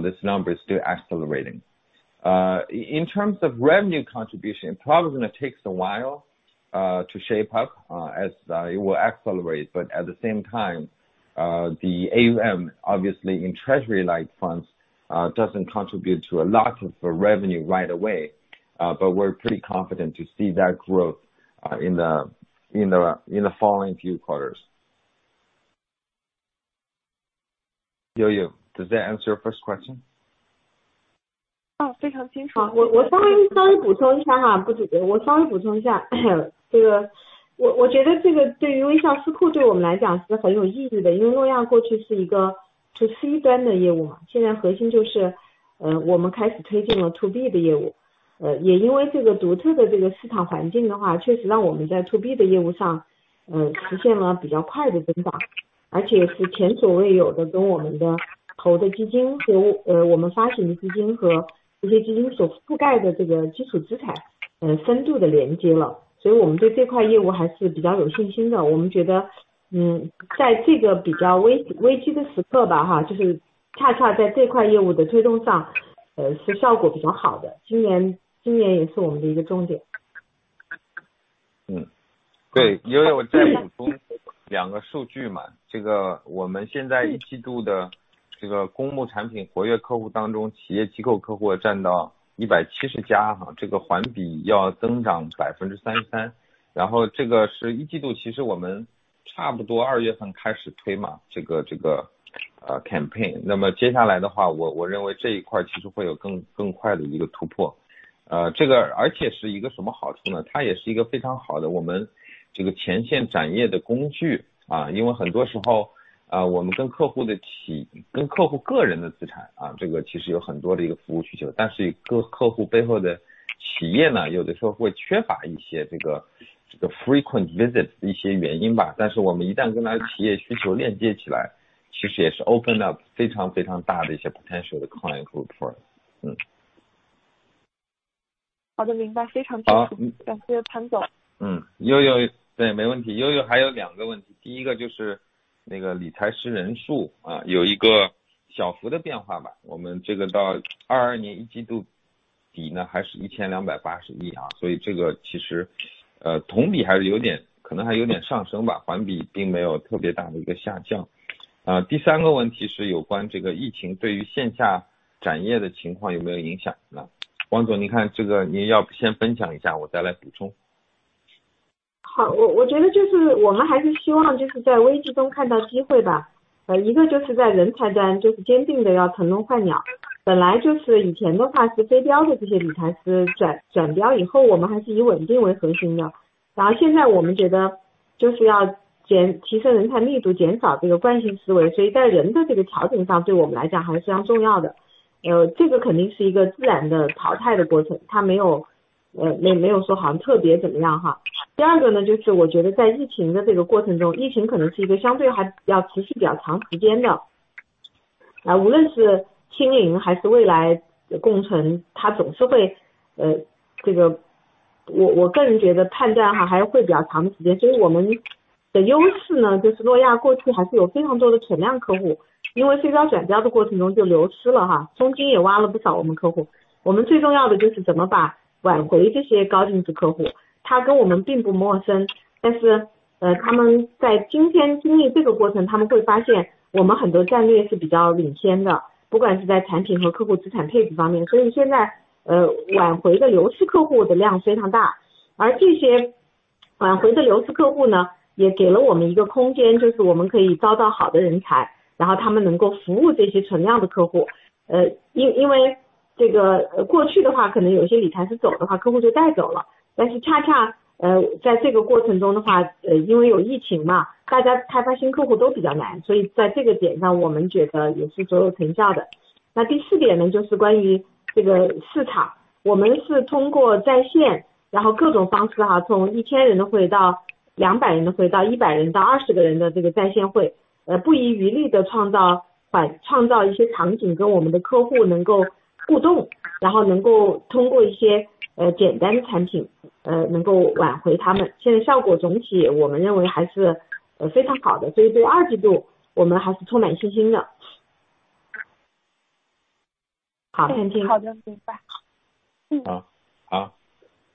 this number is still accelerating. In terms of revenue contribution, it's probably going to take a while to shape up as it will accelerate. At the same time, the AUM, obviously in treasury-like funds, doesn't contribute to a lot of the revenue right away, but we're pretty confident to see that growth in the following few quarters. Yoyo, does that answer your first question? 哦，非常清楚。我稍微补充一下，这个对于微笑私库对我们来讲是很有意义的，因为诺亚过去是一个to campaign。那么接下来的话，我认为这一块其实会有更快的一个突破。而且是一个什么好处呢？它也是一个非常好的我们这个前线展业的工具。因为很多时候，我们跟客户个人的资产，其实有很多的一个服务需求，但是客户背后的企业呢，有的时候会缺乏一些 frequent visit 的一些原因，但是我们一旦跟他的企业需求链接起来，其实也是 open 了非常非常大的一些 potential 的 client group。好的，明白，非常清楚。OK. 感谢潘总。Yoyo，对，没问题。Yoyo还有两个问题，第一个就是那个理财师人数啊，有一个小幅的变化吧，我们这个到2022年一季度底呢，还是一千两百八十亿啊，所以这个其实同比还是有点，可能还有点上升吧，环比并没有特别大的一个下降。第三个问题是有关这个疫情对于线下展业的情况有没有影响呢？王总您看这个您要不先分享一下，我再来补充。Good, good.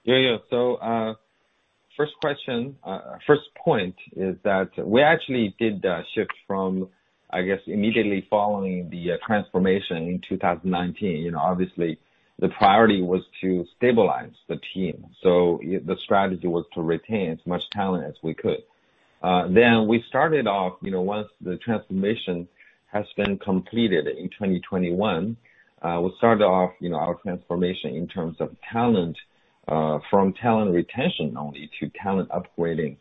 Yoyo, first question first point is that we actually did the shift from I guess immediately following the transformation in 2019. You know obviously the priority was to stabilize the team. The strategy was to retain as much talent as we could. Then we started off you know once the transformation has been completed in 2021, we started off you know our transformation in terms of talent from talent retention only to talent upgrading.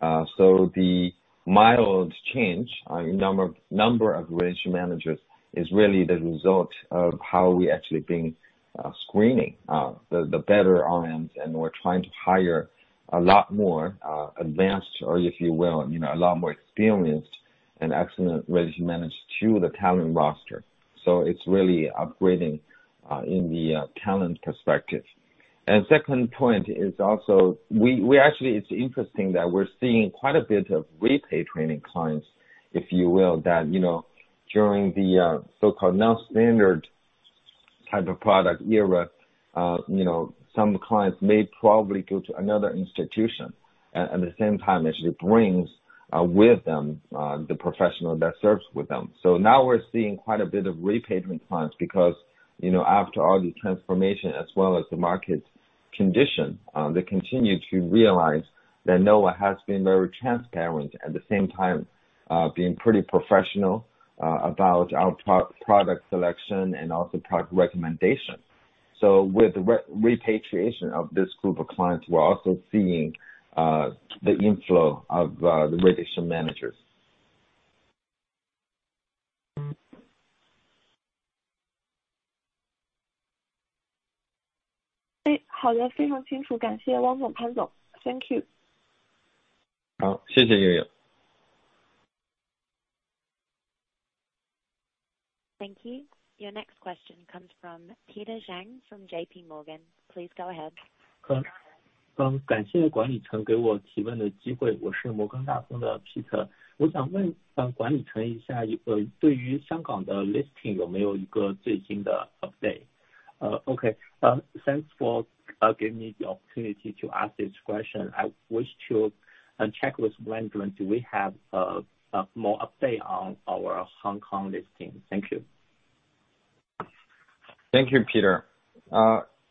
The mild change on number of RMs is really the result of how we actually been screening the better RMs and we're trying to hire a lot more advanced or if you will, you know a lot more experienced and excellent RMs to the talent roster. It's really upgrading in the talent perspective. Second point is also we actually it's interesting that we're seeing quite a bit of repatriating clients, if you will, that you know during the so-called non-standard type of product era, you know some clients may probably go to another institution at the same time as it brings with them the professional that serves with them. Now we're seeing quite a bit of repatriating clients because you know after all the transformation as well as the market condition, they continue to realize that Noah has been very transparent at the same time being pretty professional about our product selection and also product recommendation. With repatriation of this group of clients, we're also seeing the inflow of the relationship managers. 好的，非常清楚，感谢汪总、潘总。Thank you。好，谢谢 Yoyo。Thank you. Your next question comes from Peter Zhang from JP Morgan. Please go ahead. Thanks for giving me the opportunity to ask this question. I am Peter Zhang from JP Morgan. I wish to check with management if we have the latest update on our Hong Kong listing. Thank you. Thank you, Peter.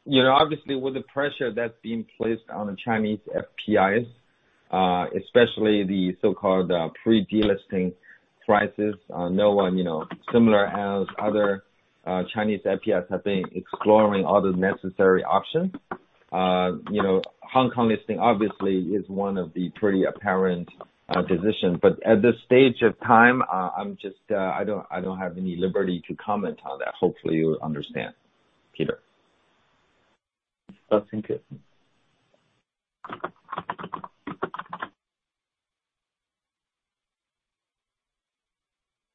You know, obviously with the pressure that's being placed on Chinese FPIs, especially the so-called pre-delisting prices, Noah, you know, similar as other Chinese FPIs have been exploring other necessary options. You know, Hong Kong listing obviously is one of the pretty apparent option, but at this stage of time, I'm just, I don't have any liberty to comment on that. Hopefully you understand, Peter. Okay, thank you.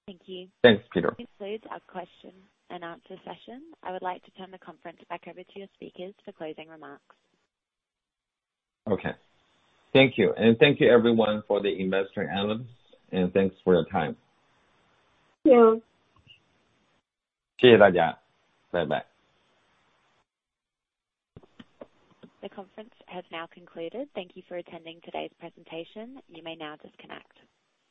Thank you. Thanks, Peter. This concludes our question and answer session. I would like to turn the conference back over to your speakers for closing remarks. Okay. Thank you, and thank you, everyone, for the investors, analysts, and thanks for your time. Yeah。谢谢大家。Bye bye。The conference has now concluded. Thank you for attending today's presentation. You may now disconnect.